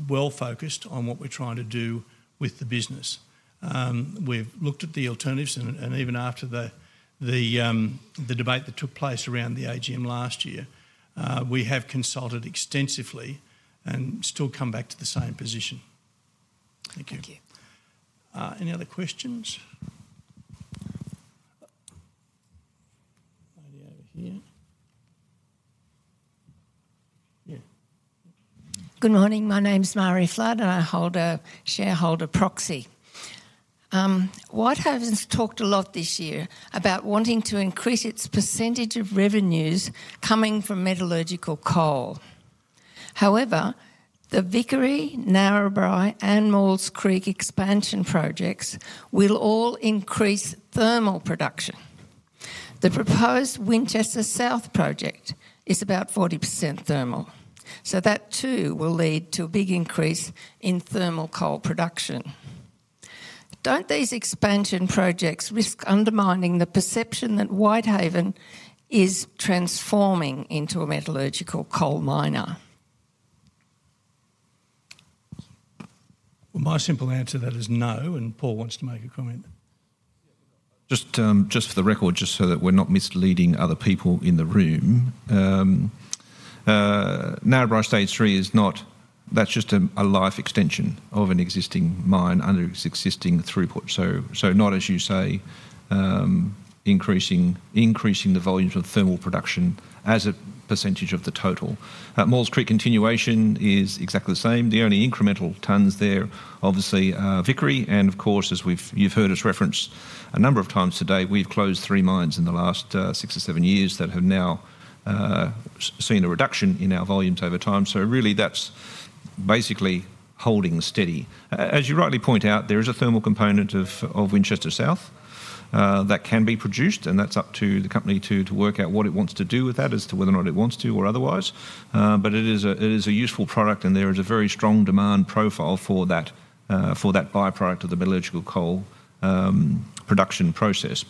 well focused on what we're trying to do with the business. We've looked at the alternatives and even after the debate that took place around the AGM last year, we have consulted extensively and still come back to the same position. Thank you. Thank you. Any other questions? Mikey over here. Yeah. Good morning. My name's Mary Flood and I hold a shareholder proxy. Whitehaven's talked a lot this year about wanting to increase its percentage of revenues coming from metallurgical coal. However, the Vickery, Narrabri, and Maules Creek expansion projects will all increase thermal production. The proposed Winchester South Project is about 40% thermal. So that too will lead to a big increase in thermal coal production. Don't these expansion projects risk undermining the perception that Whitehaven is transforming into a metallurgical coal miner? My simple answer to that is no. Paul wants to make a comment. Yeah, we've got just for the record, just so that we're not misleading other people in the room. Narrabri Stage 3 is not, that's just a life extension of an existing mine under its existing throughput. So not, as you say, increasing the volumes of thermal production as a percentage of the total. Maules Creek continuation is exactly the same. The only incremental tons there obviously are Vickery. And of course, as you've heard us reference a number of times today, we've closed three mines in the last six or seven years that have now seen a reduction in our volumes over time. So really that's basically holding steady. As you rightly point out, there is a thermal component of Winchester South that can be produced and that's up to the company to work out what it wants to do with that as to whether or not it wants to or otherwise. But it is a useful product and there is a very strong demand profile for that byproduct of the metallurgical coal production process.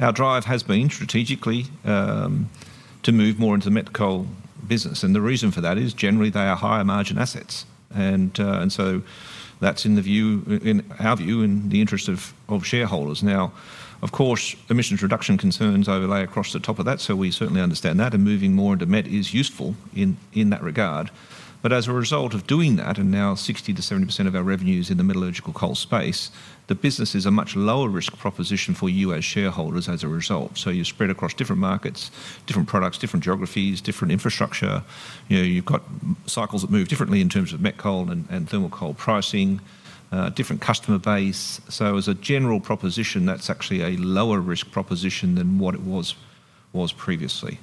Our drive has been strategically to move more into the met coal business. The reason for that is generally they are higher margin assets. And so that's in our view in the interest of shareholders. Now, of course, emissions reduction concerns overlay across the top of that. We certainly understand that and moving more into met is useful in that regard. But as a result of doing that, and now 60%-70% of our revenues in the metallurgical coal space, the business is a much lower risk proposition for you as shareholders as a result. So you're spread across different markets, different products, different geographies, different infrastructure. You know, you've got cycles that move differently in terms of met coal and thermal coal pricing, different customer base. So as a general proposition, that's actually a lower risk proposition than what it was previously.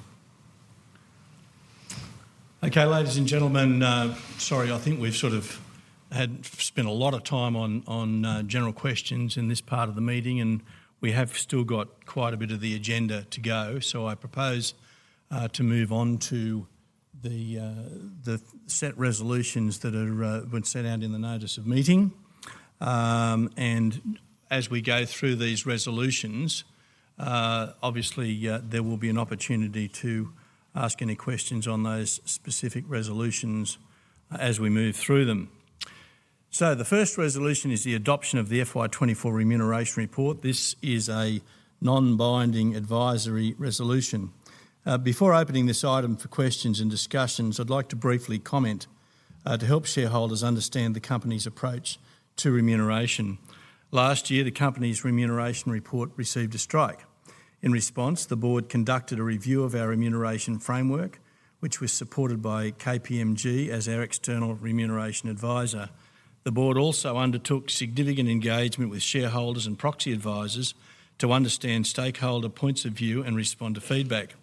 Okay, ladies and gentlemen, sorry, I think we've sort of have spent a lot of time on general questions in this part of the meeting and we have still got quite a bit of the agenda to go. So I propose to move on to the set resolutions that have been set out in the notice of meeting, and as we go through these resolutions, obviously, there will be an opportunity to ask any questions on those specific resolutions, as we move through them. So the first resolution is the adoption of the FY 24 remuneration report. This is a non-binding advisory resolution. Before opening this item for questions and discussions, I'd like to briefly comment to help shareholders understand the company's approach to remuneration. Last year, the company's remuneration report received a strike. In response, the board conducted a review of our remuneration framework, which was supported by KPMG as our external remuneration advisor. The board also undertook significant engagement with shareholders and proxy advisors to understand stakeholder points of view and respond to feedback.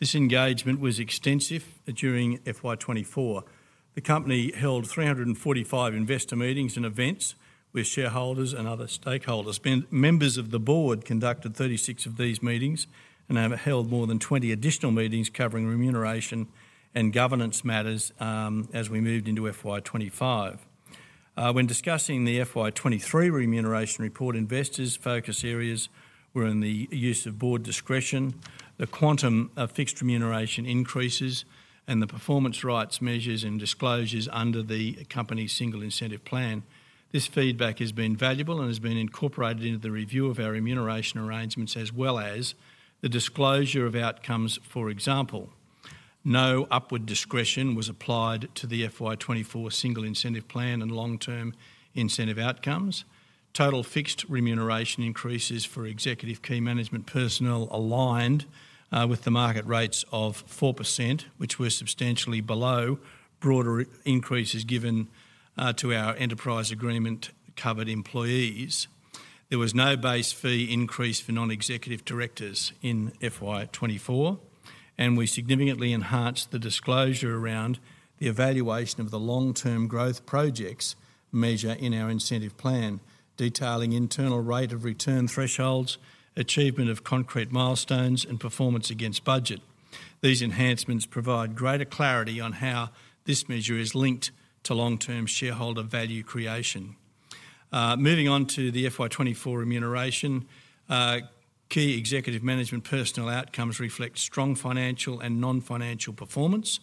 This engagement was extensive during FY 24. The company held 345 investor meetings and events with shareholders and other stakeholders. Members of the board conducted 36 of these meetings and have held more than 20 additional meetings covering remuneration and governance matters, as we moved into FY 25. When discussing the FY 23 remuneration report, investors' focus areas were in the use of board discretion, the quantum of fixed remuneration increases, and the performance rights measures and disclosures under the company's single incentive plan. This feedback has been valuable and has been incorporated into the review of our remuneration arrangements as well as the disclosure of outcomes. For example, no upward discretion was applied to the FY 24 single incentive plan and long-term incentive outcomes. Total fixed remuneration increases for executive key management personnel aligned with the market rates of 4%, which were substantially below broader increases given to our enterprise agreement covered employees. There was no base fee increase for non-executive directors in FY 24, and we significantly enhanced the disclosure around the evaluation of the long-term growth projects measure in our incentive plan, detailing internal rate of return thresholds, achievement of concrete milestones, and performance against budget. These enhancements provide greater clarity on how this measure is linked to long-term shareholder value creation. Moving on to the FY 24 remuneration, key executive management personnel outcomes reflect strong financial and non-financial performance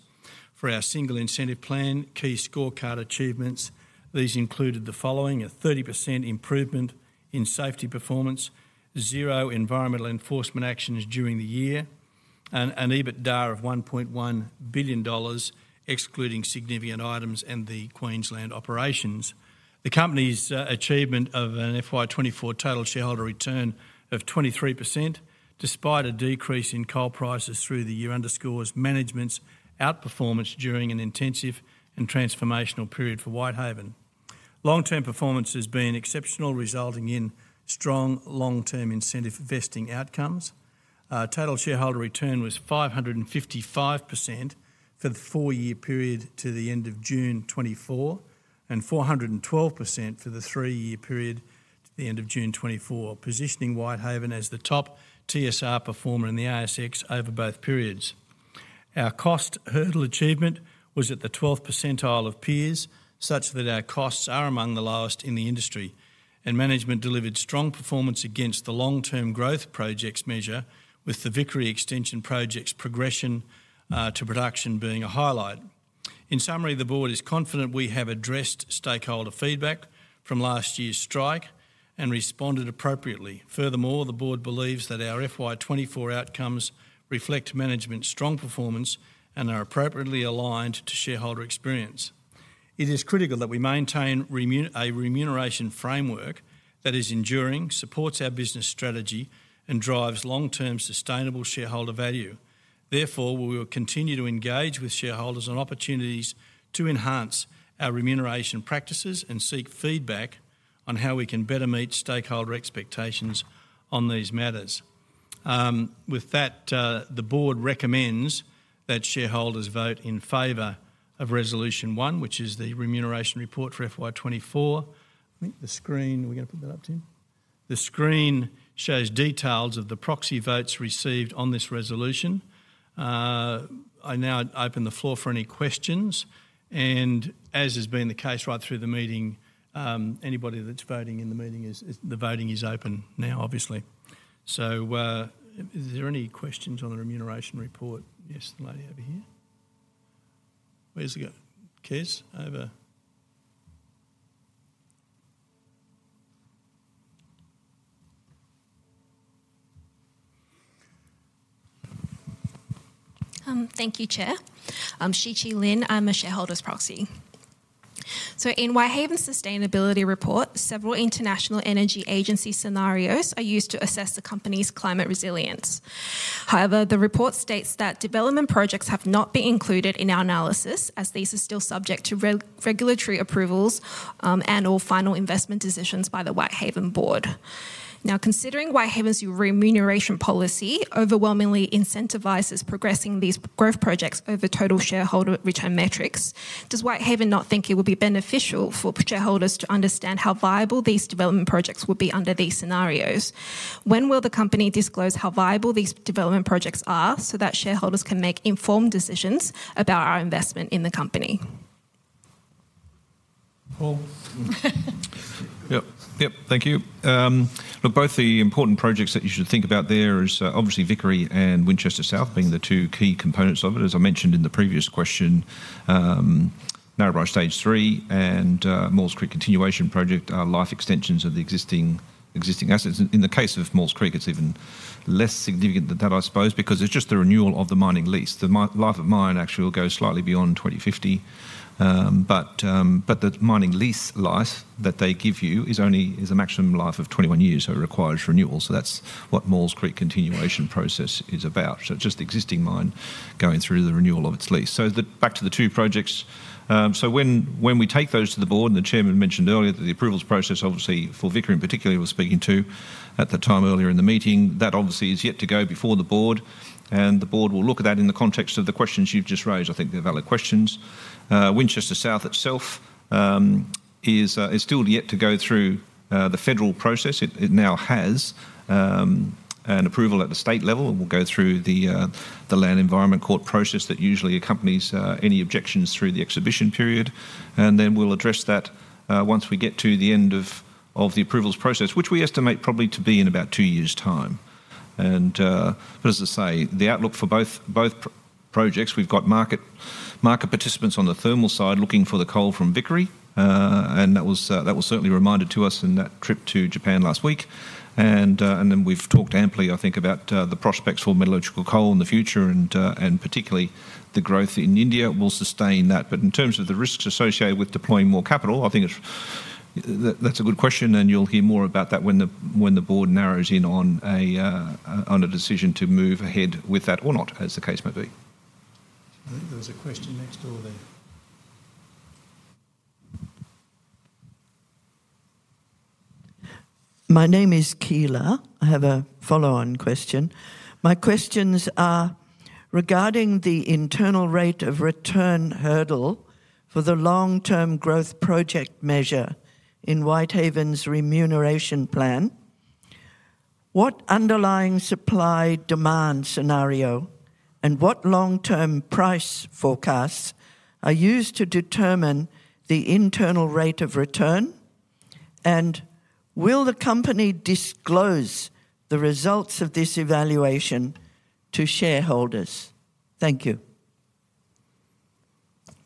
for our single incentive plan, key scorecard achievements. These included the following: a 30% improvement in safety performance, zero environmental enforcement actions during the year, and an EBITDA of 1.1 billion dollars, excluding significant items and the Queensland operations. The company's achievement of an FY 2024 total shareholder return of 23%, despite a decrease in coal prices through the year, underscores management's outperformance during an intensive and transformational period for Whitehaven. Long-term performance has been exceptional, resulting in strong long-term incentive vesting outcomes. Total shareholder return was 555% for the four-year period to the end of June 2024 and 412% for the three-year period to the end of June 2024, positioning Whitehaven as the top TSR performer in the ASX over both periods. Our cost hurdle achievement was at the 12th percentile of peers, such that our costs are among the lowest in the industry, and management delivered strong performance against the long-term growth projects measure, with the Vickery Extension Project's progression to production being a highlight. In summary, the board is confident we have addressed stakeholder feedback from last year's strike and responded appropriately. Furthermore, the board believes that our FY 24 outcomes reflect management's strong performance and are appropriately aligned to shareholder experience. It is critical that we maintain a remuneration framework that is enduring, supports our business strategy, and drives long-term sustainable shareholder value. Therefore, we will continue to engage with shareholders on opportunities to enhance our remuneration practices and seek feedback on how we can better meet stakeholder expectations on these matters. With that, the board recommends that shareholders vote in favor of resolution one, which is the remuneration report for FY 24. I think the screen, are we gonna put that up, Tim? The screen shows details of the proxy votes received on this resolution. I now open the floor for any questions. And as has been the case right through the meeting, anybody that's voting in the meeting, the voting is open now, obviously. So, is there any questions on the remuneration report? Yes, the lady over here. Where's the girl? Kez, over. Thank you, Chair. I'm Siqi Lin. I'm a shareholder proxy. So in Whitehaven's sustainability report, several International Energy Agency scenarios are used to assess the company's climate resilience. However, the report states that development projects have not been included in our analysis as these are still subject to regulatory approvals, and/or final investment decisions by the Whitehaven board. Now, considering Whitehaven's remuneration policy overwhelmingly incentivizes progressing these growth projects over Total Shareholder Return metrics, does Whitehaven not think it would be beneficial for shareholders to understand how viable these development projects would be under these scenarios? When will the company disclose how viable these development projects are so that shareholders can make informed decisions about our investment in the company? Paul? Yep. Yep. Thank you. Look, both the important projects that you should think about there is, obviously Vickery and Winchester South being the two key components of it, as I mentioned in the previous question. Narrabri, Stage 3 and, Maules Creek Continuation Project are life extensions of the existing, existing assets. In the case of Maules Creek, it's even less significant than that, I suppose, because it's just the renewal of the mining lease. The mine life of mine actually will go slightly beyond 2050. But, but the mining lease life that they give you is only, is a maximum life of 21 years, so it requires renewal. So that's what Maules Creek continuation process is about. So it's just existing mine going through the renewal of its lease. Back to the two projects, when we take those to the board and the chairman mentioned earlier that the approvals process, obviously for Vickery in particular—we were speaking to that earlier in the meeting—that obviously is yet to go before the board, and the board will look at that in the context of the questions you've just raised. I think they're valid questions. Winchester South itself is still yet to go through the federal process. It now has an approval at the state level and will go through the Land and Environment Court process that usually accompanies any objections through the exhibition period. Then we'll address that once we get to the end of the approvals process, which we estimate probably to be in about two years' time. As I say, the outlook for both projects. We've got market participants on the thermal side looking for the coal from Vickery. And that was certainly reminded to us in that trip to Japan last week. Then we've talked amply, I think, about the prospects for metallurgical coal in the future and particularly the growth in India will sustain that. In terms of the risks associated with deploying more capital, I think that's a good question, and you'll hear more about that when the board narrows in on a decision to move ahead with that or not, as the case may be. I think there was a question next door there. My name is Keela. I have a follow-on question. My questions are regarding the internal rate of return hurdle for the long-term growth project measure in Whitehaven's remuneration plan. What underlying supply demand scenario and what long-term price forecasts are used to determine the internal rate of return? And will the company disclose the results of this evaluation to shareholders? Thank you.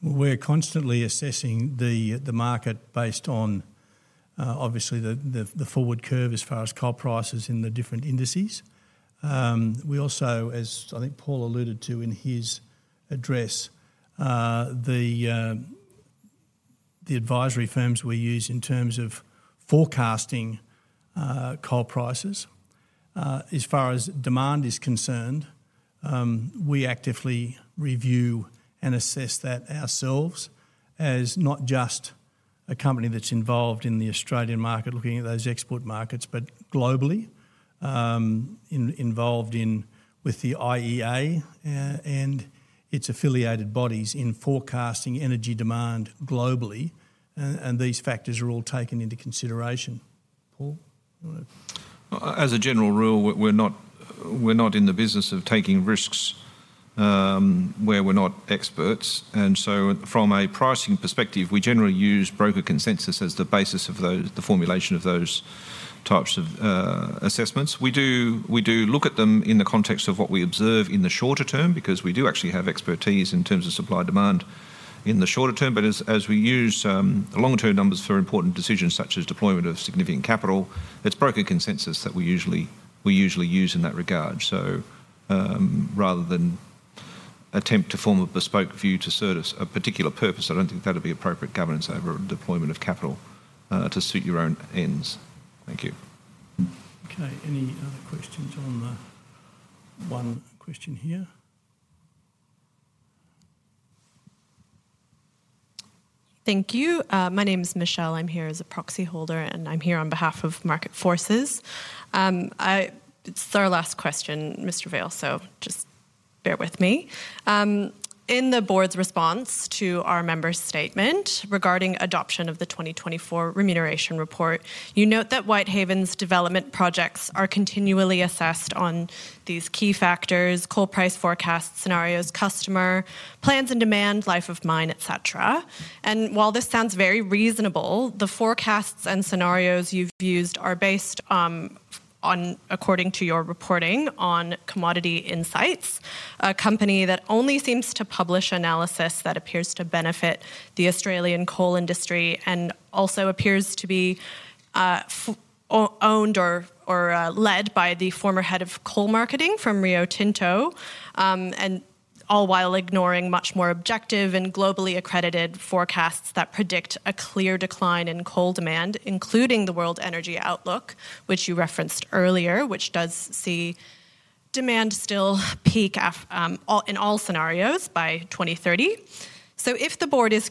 We're constantly assessing the market based on, obviously the forward curve as far as coal prices in the different indices. We also, as I think Paul alluded to in his address, the advisory firms we use in terms of forecasting coal prices. As far as demand is concerned, we actively review and assess that ourselves as not just a company that's involved in the Australian market looking at those export markets, but globally involved in with the IEA and its affiliated bodies in forecasting energy demand globally. These factors are all taken into consideration. Paul? As a general rule, we're not in the business of taking risks where we're not experts, and so from a pricing perspective, we generally use broker consensus as the basis of those, the formulation of those types of assessments. We do look at them in the context of what we observe in the shorter term because we do actually have expertise in terms of supply demand in the shorter term, but as we use long-term numbers for important decisions such as deployment of significant capital, it's broker consensus that we usually use in that regard, so rather than attempt to form a bespoke view to service a particular purpose, I don't think that'd be appropriate governance over deployment of capital to suit your own ends. Thank you. Okay. Any other questions on the one question here? Thank you. My name's Michelle. I'm here as a proxy holder, and I'm here on behalf of Market Forces. I, it's our last question, Mr. Vaile, so just bear with me. In the board's response to our member's statement regarding adoption of the 2024 remuneration report, you note that Whitehaven's development projects are continually assessed on these key factors: coal price forecasts, scenarios, customer plans and demand, life of mine, et cetera. While this sounds very reasonable, the forecasts and scenarios you've used are based on, according to your reporting, Commodity Insights, a company that only seems to publish analysis that appears to benefit the Australian coal industry and also appears to be owned or led by the former head of coal marketing from Rio Tinto, and all while ignoring much more objective and globally accredited forecasts that predict a clear decline in coal demand, including the World Energy Outlook, which you referenced earlier, which does see demand still peak after all in all scenarios by 2030. So if the board is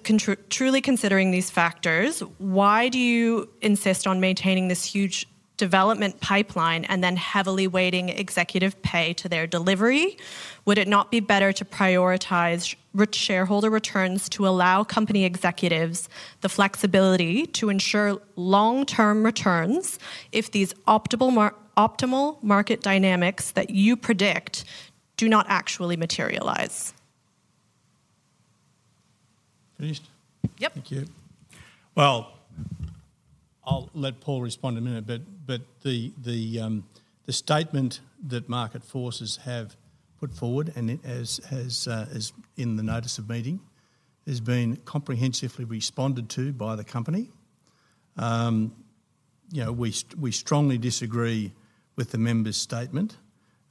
truly considering these factors, why do you insist on maintaining this huge development pipeline and then heavily weighting executive pay to their delivery? Would it not be better to prioritize rich shareholder returns to allow company executives the flexibility to ensure long-term returns if these optimal, more optimal market dynamics that you predict do not actually materialize? Finished? Yep. Thank you. Well, I'll let Paul respond in a minute, but the statement that Market Forces have put forward and it is in the notice of meeting has been comprehensively responded to by the company. You know, we strongly disagree with the member's statement,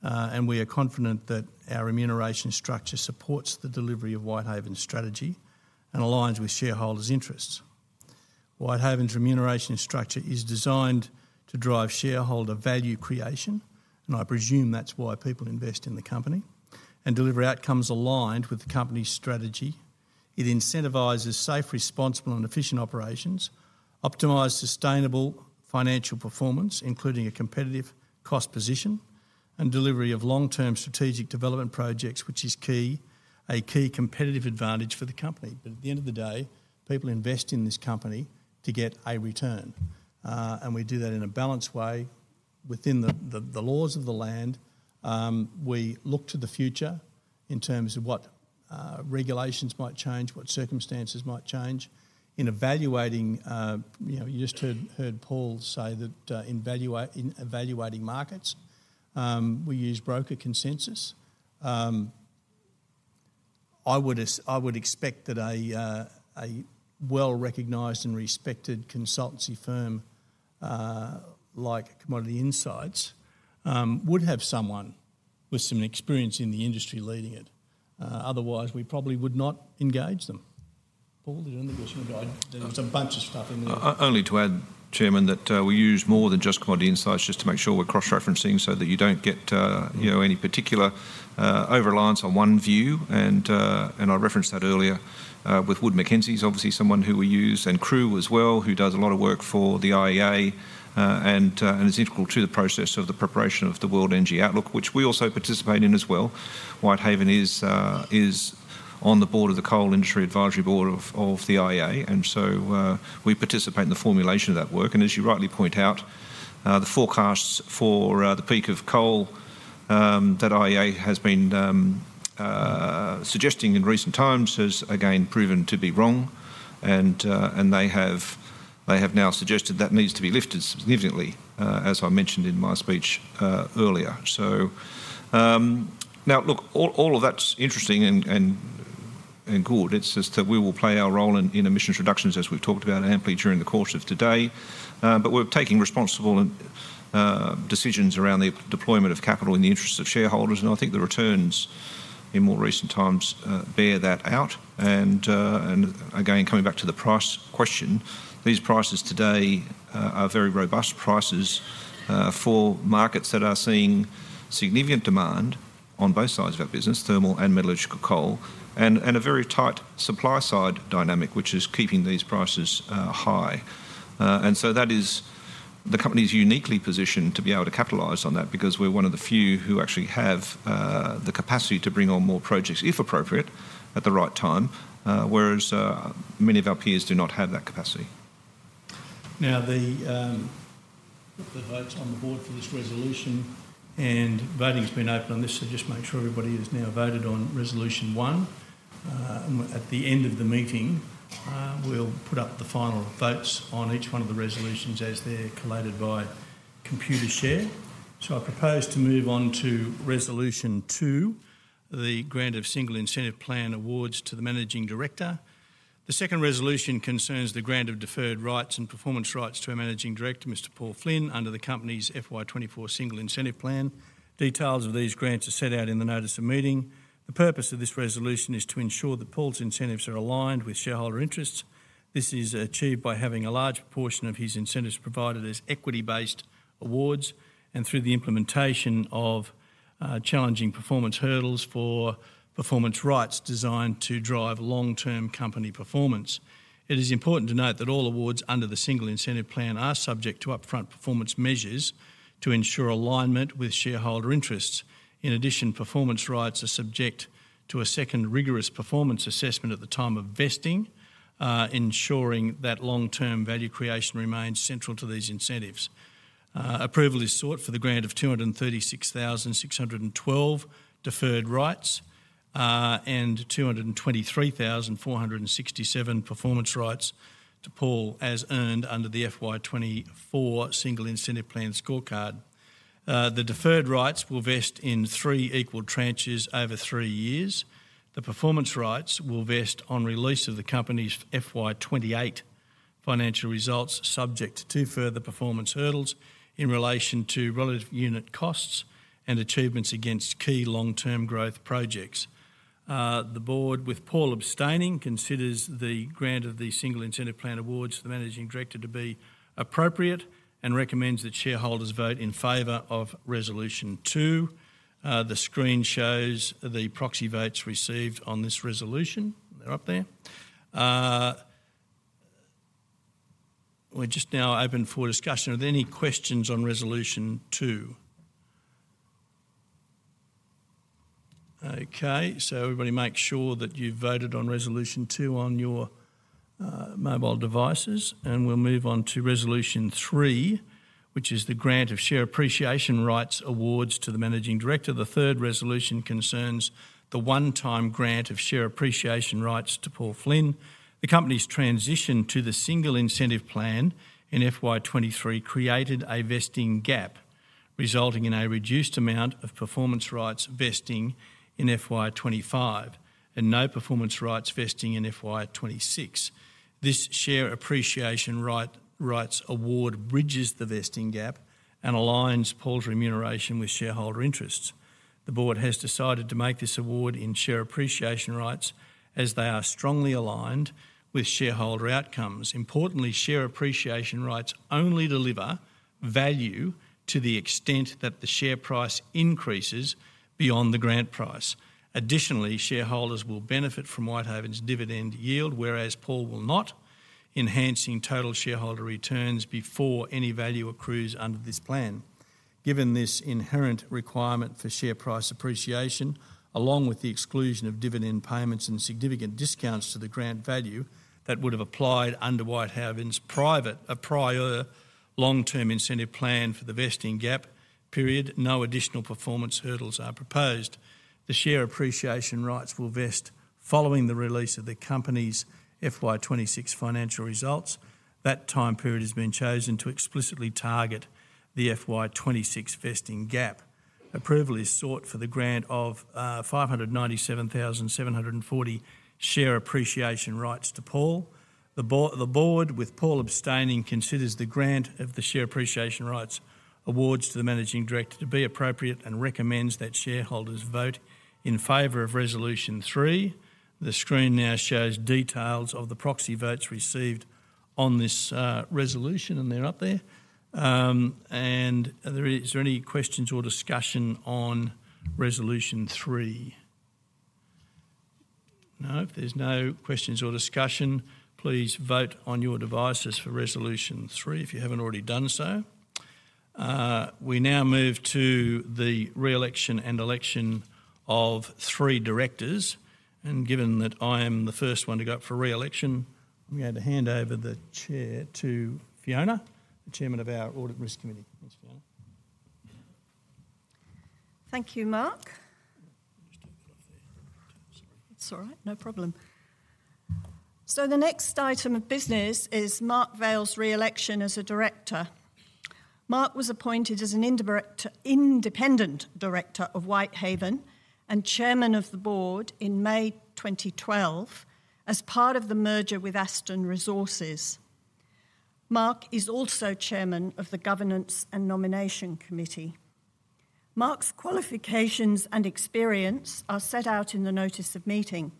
and we are confident that our remuneration structure supports the delivery of Whitehaven's strategy and aligns with shareholders' interests. Whitehaven's remuneration structure is designed to drive shareholder value creation, and I presume that's why people invest in the company and deliver outcomes aligned with the company's strategy. It incentivizes safe, responsible, and efficient operations, optimized sustainable financial performance, including a competitive cost position and delivery of long-term strategic development projects, which is a key competitive advantage for the company. But at the end of the day, people invest in this company to get a return. And we do that in a balanced way within the laws of the land. We look to the future in terms of what regulations might change, what circumstances might change in evaluating, you know, you just heard Paul say that, in evaluating markets, we use broker consensus. I would expect that a well-recognized and respected consultancy firm, like Commodity Insights, would have someone with some experience in the industry leading it. Otherwise we probably would not engage them. Paul, did you want to give us some? I there's a bunch of stuff in there. Only to add, Chairman, that we use more than just Commodity Insights just to make sure we're cross-referencing so that you don't get, you know, any particular over-reliance on one view. And I referenced that earlier, with Wood Mackenzie's obviously someone who we use and CRU as well, who does a lot of work for the IEA, and is integral to the process of the preparation of the World Energy Outlook, which we also participate in as well. Whitehaven is on the board of the Coal Industry Advisory Board of the IEA. And so, we participate in the formulation of that work. And as you rightly point out, the forecasts for the peak of coal that IEA has been suggesting in recent times has again proven to be wrong. They have now suggested that needs to be lifted significantly, as I mentioned in my speech earlier. Now look, all of that's interesting and good. It's just that we will play our role in emissions reductions as we've talked about amply during the course of today. But we're taking responsible decisions around the deployment of capital in the interests of shareholders. I think the returns in more recent times bear that out. Again, coming back to the price question, these prices today are very robust prices for markets that are seeing significant demand on both sides of our business, thermal and metallurgical coal, and a very tight supply side dynamic, which is keeping these prices high. And so that is the company is uniquely positioned to be able to capitalize on that because we're one of the few who actually have the capacity to bring on more projects if appropriate at the right time, whereas many of our peers do not have that capacity. Now the votes on the board for this resolution and voting's been open on this. So just make sure everybody has now voted on resolution one. And at the end of the meeting, we'll put up the final votes on each one of the resolutions as they're collated by Computershare. So I propose to move on to resolution two, the grant of Single Incentive Plan awards to the managing director. The second resolution concerns the grant of deferred rights and performance rights to a managing director, Mr. Paul Flynn, under the company's FY24 Single Incentive Plan. Details of these grants are set out in the notice of meeting. The purpose of this resolution is to ensure that Paul's incentives are aligned with shareholder interests. This is achieved by having a large portion of his incentives provided as equity-based awards and through the implementation of challenging performance hurdles for performance rights designed to drive long-term company performance. It is important to note that all awards under the single incentive plan are subject to upfront performance measures to ensure alignment with shareholder interests. In addition, performance rights are subject to a second rigorous performance assessment at the time of vesting, ensuring that long-term value creation remains central to these incentives. Approval is sought for the grant of 236,612 deferred rights, and 223,467 performance rights to Paul as earned under the FY24 single incentive plan scorecard. The deferred rights will vest in three equal tranches over three years. The performance rights will vest on release of the company's FY28 financial results subject to further performance hurdles in relation to relative unit costs and achievements against key long-term growth projects. The board, with Paul abstaining, considers the grant of the single incentive plan awards to the Managing Director to be appropriate and recommends that shareholders vote in favor of resolution two. The screen shows the proxy votes received on this resolution. They're up there. We're just now open for discussion. Are there any questions on resolution two? Okay. So everybody make sure that you've voted on resolution two on your mobile devices. And we'll move on to resolution three, which is the grant of share appreciation rights awards to the Managing Director. The third resolution concerns the one-time grant of share appreciation rights to Paul Flynn. The company's transition to the single incentive plan in FY23 created a vesting gap resulting in a reduced amount of performance rights vesting in FY25 and no performance rights vesting in FY26. This share appreciation rights award bridges the vesting gap and aligns Paul's remuneration with shareholder interests. The board has decided to make this award in share appreciation rights as they are strongly aligned with shareholder outcomes. Importantly, share appreciation rights only deliver value to the extent that the share price increases beyond the grant price. Additionally, shareholders will benefit from Whitehaven's dividend yield, whereas Paul will not, enhancing total shareholder returns before any value accrues under this plan. Given this inherent requirement for share price appreciation, along with the exclusion of dividend payments and significant discounts to the grant value that would've applied under Whitehaven's prior long-term incentive plan for the vesting gap period, no additional performance hurdles are proposed. The share appreciation rights will vest following the release of the company's FY26 financial results. That time period has been chosen to explicitly target the FY26 vesting gap. Approval is sought for the grant of 597,740 share appreciation rights to Paul. The board, with Paul abstaining, considers the grant of the share appreciation rights awards to the Managing Director to be appropriate and recommends that shareholders vote in favor of resolution three. The screen now shows details of the proxy votes received on this resolution, and they're up there, and is there any questions or discussion on resolution three? No, there's no questions or discussion. Please vote on your devices for resolution three if you haven't already done so. We now move to the reelection and election of three directors. And given that I am the first one to go up for reelection, I'm going to hand over the chair to Fiona, the chairman of our audit and risk committee. Thanks, Fiona. Thank you, Mark. Just take that off there. Sorry. It's all right. No problem. So the next item of business is Mark Vaile's re-election as a director. Mark was appointed as an independent non-executive director of Whitehaven and chairman of the board in May 2012 as part of the merger with Aston Resources. Mark is also chairman of the Governance and Nomination Committee. Mark's qualifications and experience are set out in the notice of meeting.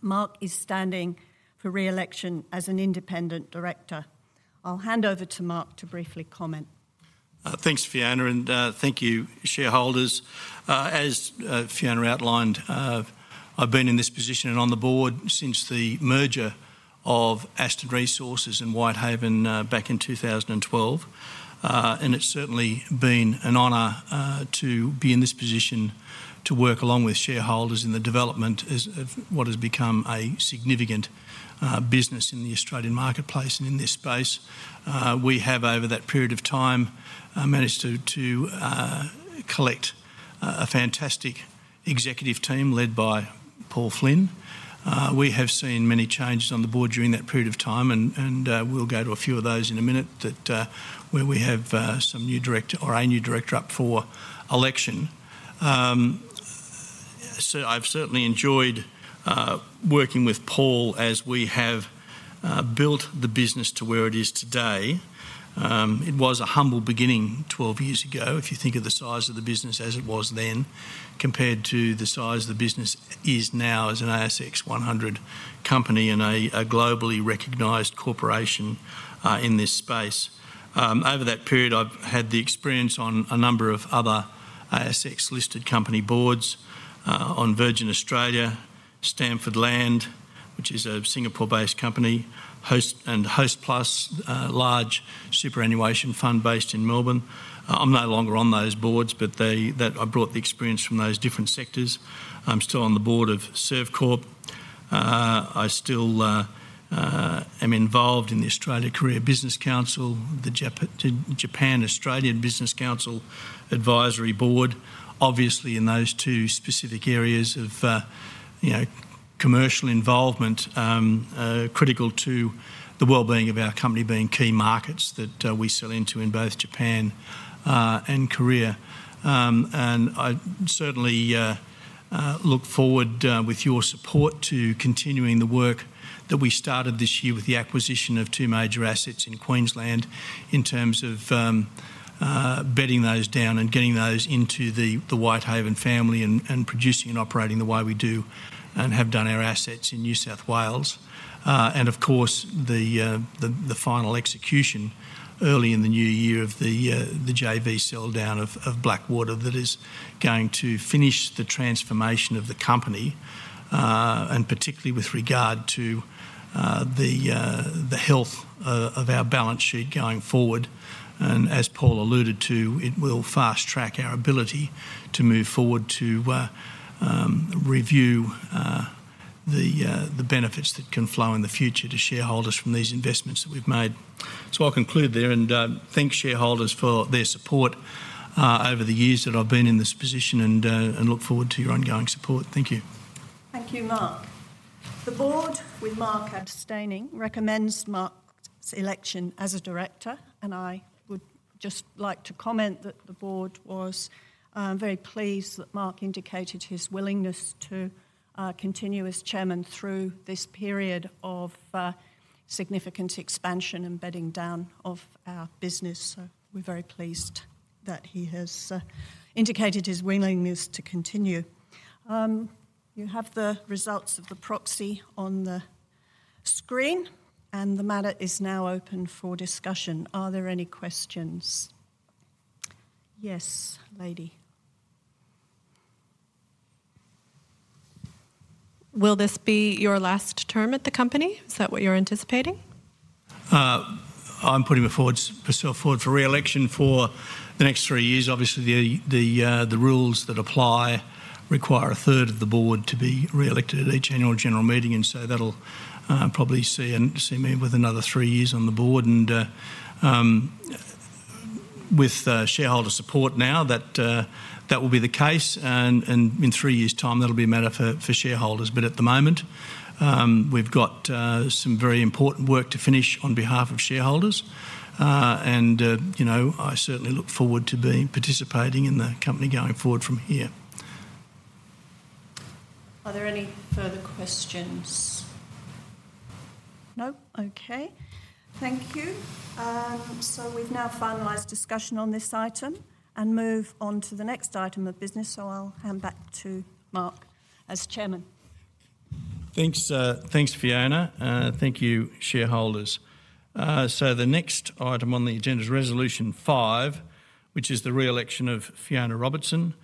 Mark is standing for re-election as an independent director. I'll hand over to Mark to briefly comment. Thanks, Fiona, and thank you, shareholders. As Fiona outlined, I've been in this position and on the board since the merger of Aston Resources and Whitehaven back in 2012. It's certainly been an honor to be in this position to work along with shareholders in the development of what has become a significant business in the Australian marketplace and in this space. We have over that period of time managed to collect a fantastic executive team led by Paul Flynn. We have seen many changes on the board during that period of time, and we'll go to a few of those in a minute where we have some new director or a new director up for election. So I've certainly enjoyed working with Paul as we have built the business to where it is today. It was a humble beginning 12 years ago. If you think of the size of the business as it was then compared to the size of the business is now as an ASX 100 company and a globally recognized corporation in this space. Over that period, I've had the experience on a number of other ASX listed company boards, on Virgin Australia, Stamford Land, which is a Singapore-based company, Hostplus, large superannuation fund based in Melbourne. I'm no longer on those boards, but they, that I brought the experience from those different sectors. I'm still on the board of Servcorp. I still am involved in the Australia-Korea Business Council, the Japan-Australia Business Council advisory board, obviously in those two specific areas of, you know, commercial involvement, critical to the wellbeing of our company being key markets that we sell into in both Japan and Korea. I certainly look forward, with your support, to continuing the work that we started this year with the acquisition of two major assets in Queensland in terms of bedding those down and getting those into the Whitehaven family and producing and operating the way we do and have done our assets in New South Wales. Of course, the final execution early in the new year of the JV sell down of Blackwater that is going to finish the transformation of the company, and particularly with regard to the health of our balance sheet going forward. As Paul alluded to, it will fast track our ability to move forward to review the benefits that can flow in the future to shareholders from these investments that we've made. I'll conclude there and thank shareholders for their support over the years that I've been in this position and look forward to your ongoing support. Thank you. Thank you, Mark. The board, with Mark abstaining, recommends Mark's election as a director. I would just like to comment that the board was very pleased that Mark indicated his willingness to continue as chairman through this period of significant expansion and bedding down of our business. So we're very pleased that he has indicated his willingness to continue. You have the results of the proxy on the screen, and the matter is now open for discussion. Are there any questions? Yes, lady. Will this be your last term at the company? Is that what you're anticipating? I'm putting forward for re-election for the next three years. Obviously, the rules that apply require a third of the board to be re-elected at each annual general meeting. So that'll probably see me with another three years on the board, and with shareholder support, that will be the case. In three years' time, that'll be a matter for shareholders. At the moment, we've got some very important work to finish on behalf of shareholders, and you know, I certainly look forward to being participating in the company going forward from here. Are there any further questions? Nope. Okay. Thank you. So we've now finalized discussion on this item and move on to the next item of business. So I'll hand back to Mark as Chairman. Thanks. Thanks, Fiona. Thank you, shareholders. So the next item on the agenda is resolution five, which is the reelection of Fiona Robertson.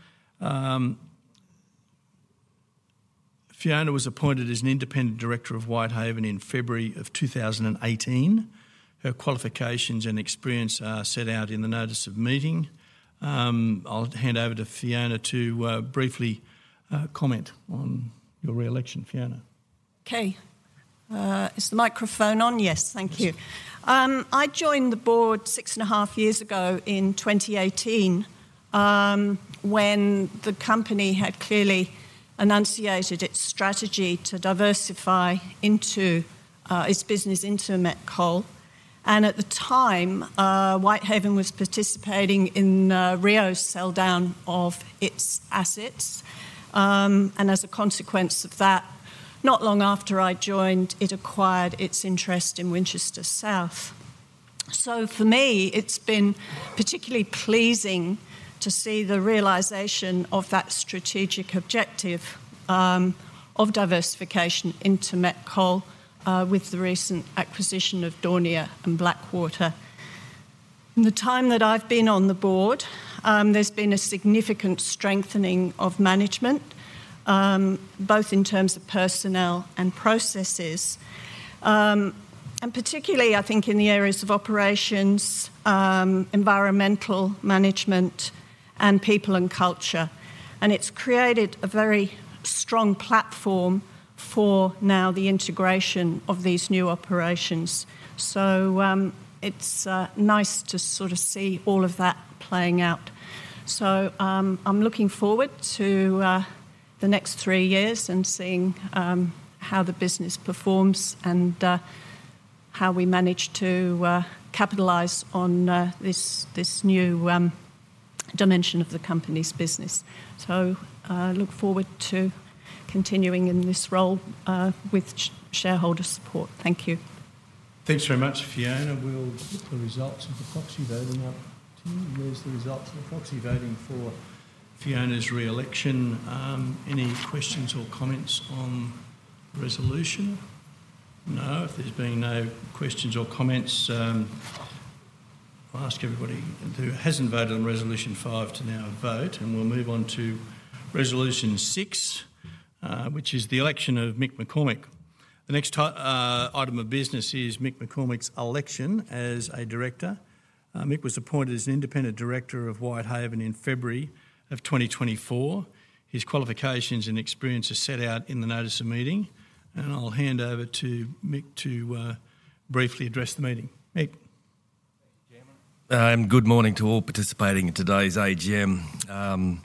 Fiona was appointed as an independent director of Whitehaven in February of 2018. Her qualifications and experience are set out in the notice of meeting. I'll hand over to Fiona to, briefly, comment on your reelection, Fiona. Okay. Is the microphone on? Yes. Thank you. I joined the board six and a half years ago in 2018, when the company had clearly enunciated its strategy to diversify into its business into met coal. And at the time, Whitehaven was participating in Rio's sell down of its assets. And as a consequence of that, not long after I joined, it acquired its interest in Winchester South. So for me, it's been particularly pleasing to see the realization of that strategic objective of diversification into met coal, with the recent acquisition of Daunia and Blackwater. In the time that I've been on the board, there's been a significant strengthening of management, both in terms of personnel and processes, and particularly I think in the areas of operations, environmental management, and people and culture. And it's created a very strong platform for now the integration of these new operations. It's nice to sort of see all of that playing out. I'm looking forward to the next three years and seeing how the business performs and how we manage to capitalize on this new dimension of the company's business. Look forward to continuing in this role with shareholder support. Thank you. Thanks very much, Fiona. We'll put the results of the proxy voting up to you. There's the results of the proxy voting for Fiona's reelection. Any questions or comments on resolution? No. If there's been no questions or comments, I'll ask everybody who hasn't voted on resolution five to now vote. We'll move on to resolution six, which is the election of Mick McCormack. The next item of business is Mick McCormack's election as a director. Mick was appointed as an independent director of Whitehaven in February of 2024. His qualifications and experience are set out in the notice of meeting. I'll hand over to Mick to briefly address the meeting. Mick. Thank you, Chairman. Good morning to all participating in today's AGM.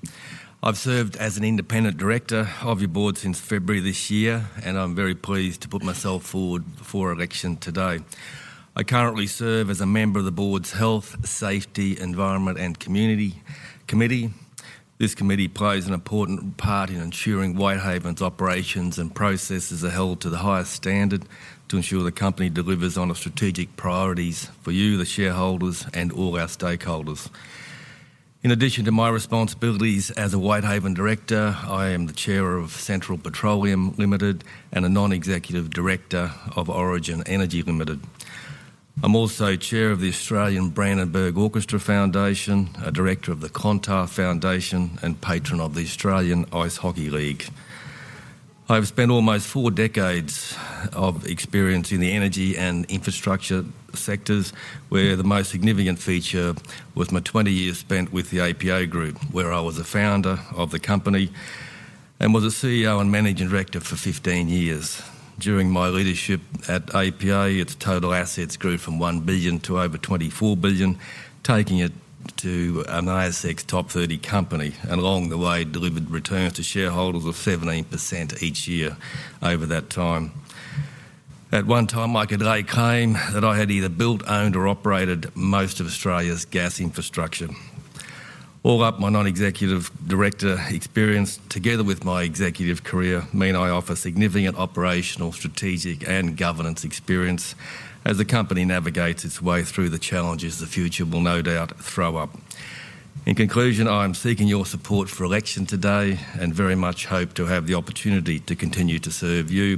I've served as an independent director of your board since February this year, and I'm very pleased to put myself forward for election today. I currently serve as a member of the board's Health, Safety, Environment, and Community Committee. This committee plays an important part in ensuring Whitehaven's operations and processes are held to the highest standard to ensure the company delivers on our strategic priorities for you, the shareholders, and all our stakeholders. In addition to my responsibilities as a Whitehaven director, I am the chair of Central Petroleum Limited and a non-executive director of Origin Energy Limited. I'm also chair of the Australian Brandenburg Orchestra Foundation, a director of the Clontarf Foundation, and patron of the Australian Ice Hockey League. I've spent almost four decades of experience in the energy and infrastructure sectors, where the most significant feature was my 20 years spent with the APA Group, where I was a founder of the company and was a CEO and managing director for 15 years. During my leadership at APA, its total assets grew from 1 billion to over 24 billion, taking it to an ASX top 30 company and along the way delivered returns to shareholders of 17% each year over that time. At one time, my colleagues claimed that I had either built, owned, or operated most of Australia's gas infrastructure. All up my non-executive director experience, together with my executive career, mean I offer significant operational, strategic, and governance experience as the company navigates its way through the challenges the future will no doubt throw up. In conclusion, I am seeking your support for election today and very much hope to have the opportunity to continue to serve you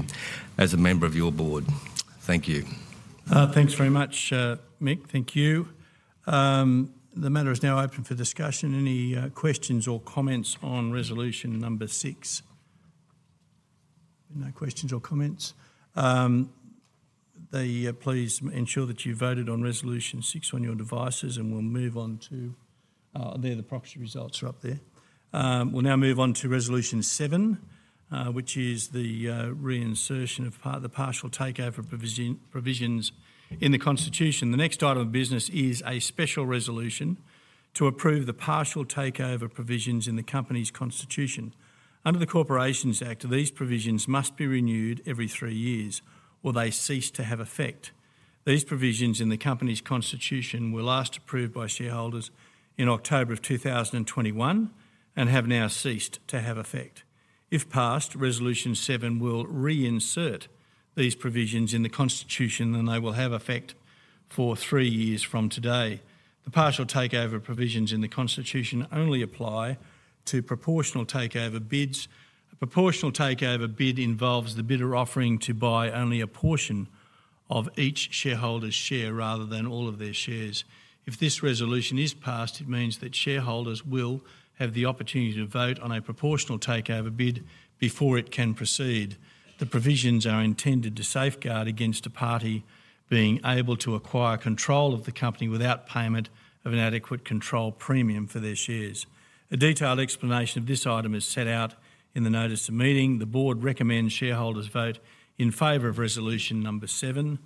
as a member of your board. Thank you. Thanks very much, Mick. Thank you. The matter is now open for discussion. Any questions or comments on resolution number six? No questions or comments. Please ensure that you've voted on resolution six on your devices and we'll move on. There, the proxy results are up there. We'll now move on to resolution seven, which is the reinsertion of part of the partial takeover provisions in the constitution. The next item of business is a special resolution to approve the partial takeover provisions in the company's constitution. Under the Corporations Act, these provisions must be renewed every three years or they cease to have effect. These provisions in the company's constitution were last approved by shareholders in October of 2021 and have now ceased to have effect. If passed, resolution seven will reinsert these provisions in the constitution and they will have effect for three years from today. The partial takeover provisions in the constitution only apply to proportional takeover bids. A proportional takeover bid involves the bidder offering to buy only a portion of each shareholder's share rather than all of their shares. If this resolution is passed, it means that shareholders will have the opportunity to vote on a proportional takeover bid before it can proceed. The provisions are intended to safeguard against a party being able to acquire control of the company without payment of an adequate control premium for their shares. A detailed explanation of this item is set out in the notice of meeting. The board recommends shareholders vote in favor of resolution number seven.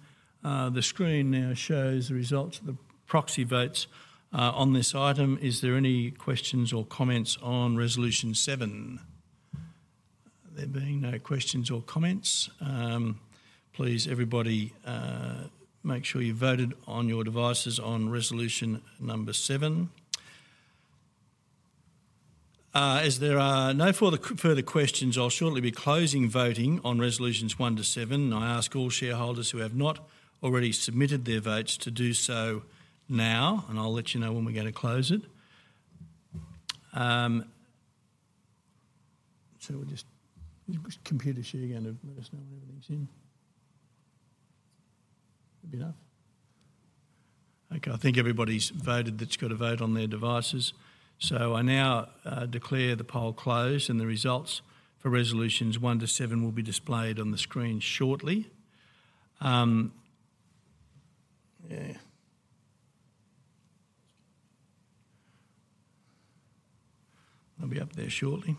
The screen now shows the results of the proxy votes on this item. Is there any questions or comments on resolution seven? There being no questions or comments, please everybody make sure you've voted on your devices on resolution number seven. As there are no further questions, I'll shortly be closing voting on resolutions one to seven. I ask all shareholders who have not already submitted their votes to do so now, and I'll let you know when we're gonna close it, so we'll just have Computershare again give notice now when everything's in. That'll be enough. Okay. I think everybody's voted that's gotta vote on their devices, so I now declare the poll closed and the results for resolutions one to seven will be displayed on the screen shortly. Yeah. They'll be up there shortly.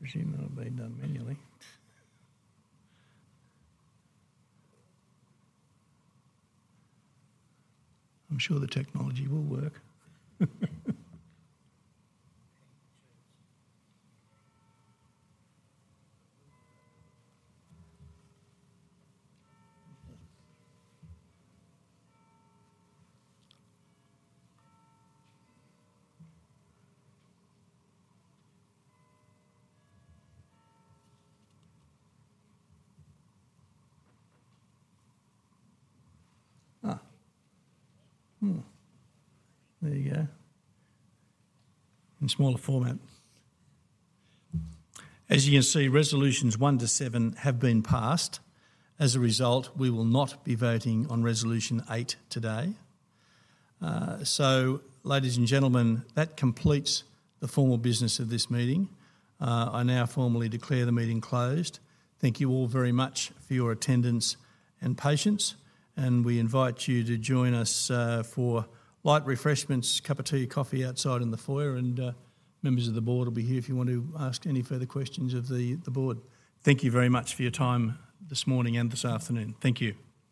Presumably done manually. I'm sure the technology will work. There you go. In smaller format. As you can see, resolutions one to seven have been passed. As a result, we will not be voting on resolution eight today. So ladies and gentlemen, that completes the formal business of this meeting. I now formally declare the meeting closed. Thank you all very much for your attendance and patience, and we invite you to join us for light refreshments, cup of tea, coffee outside in the foyer, and members of the board will be here if you want to ask any further questions of the board. Thank you very much for your time this morning and this afternoon. Thank you.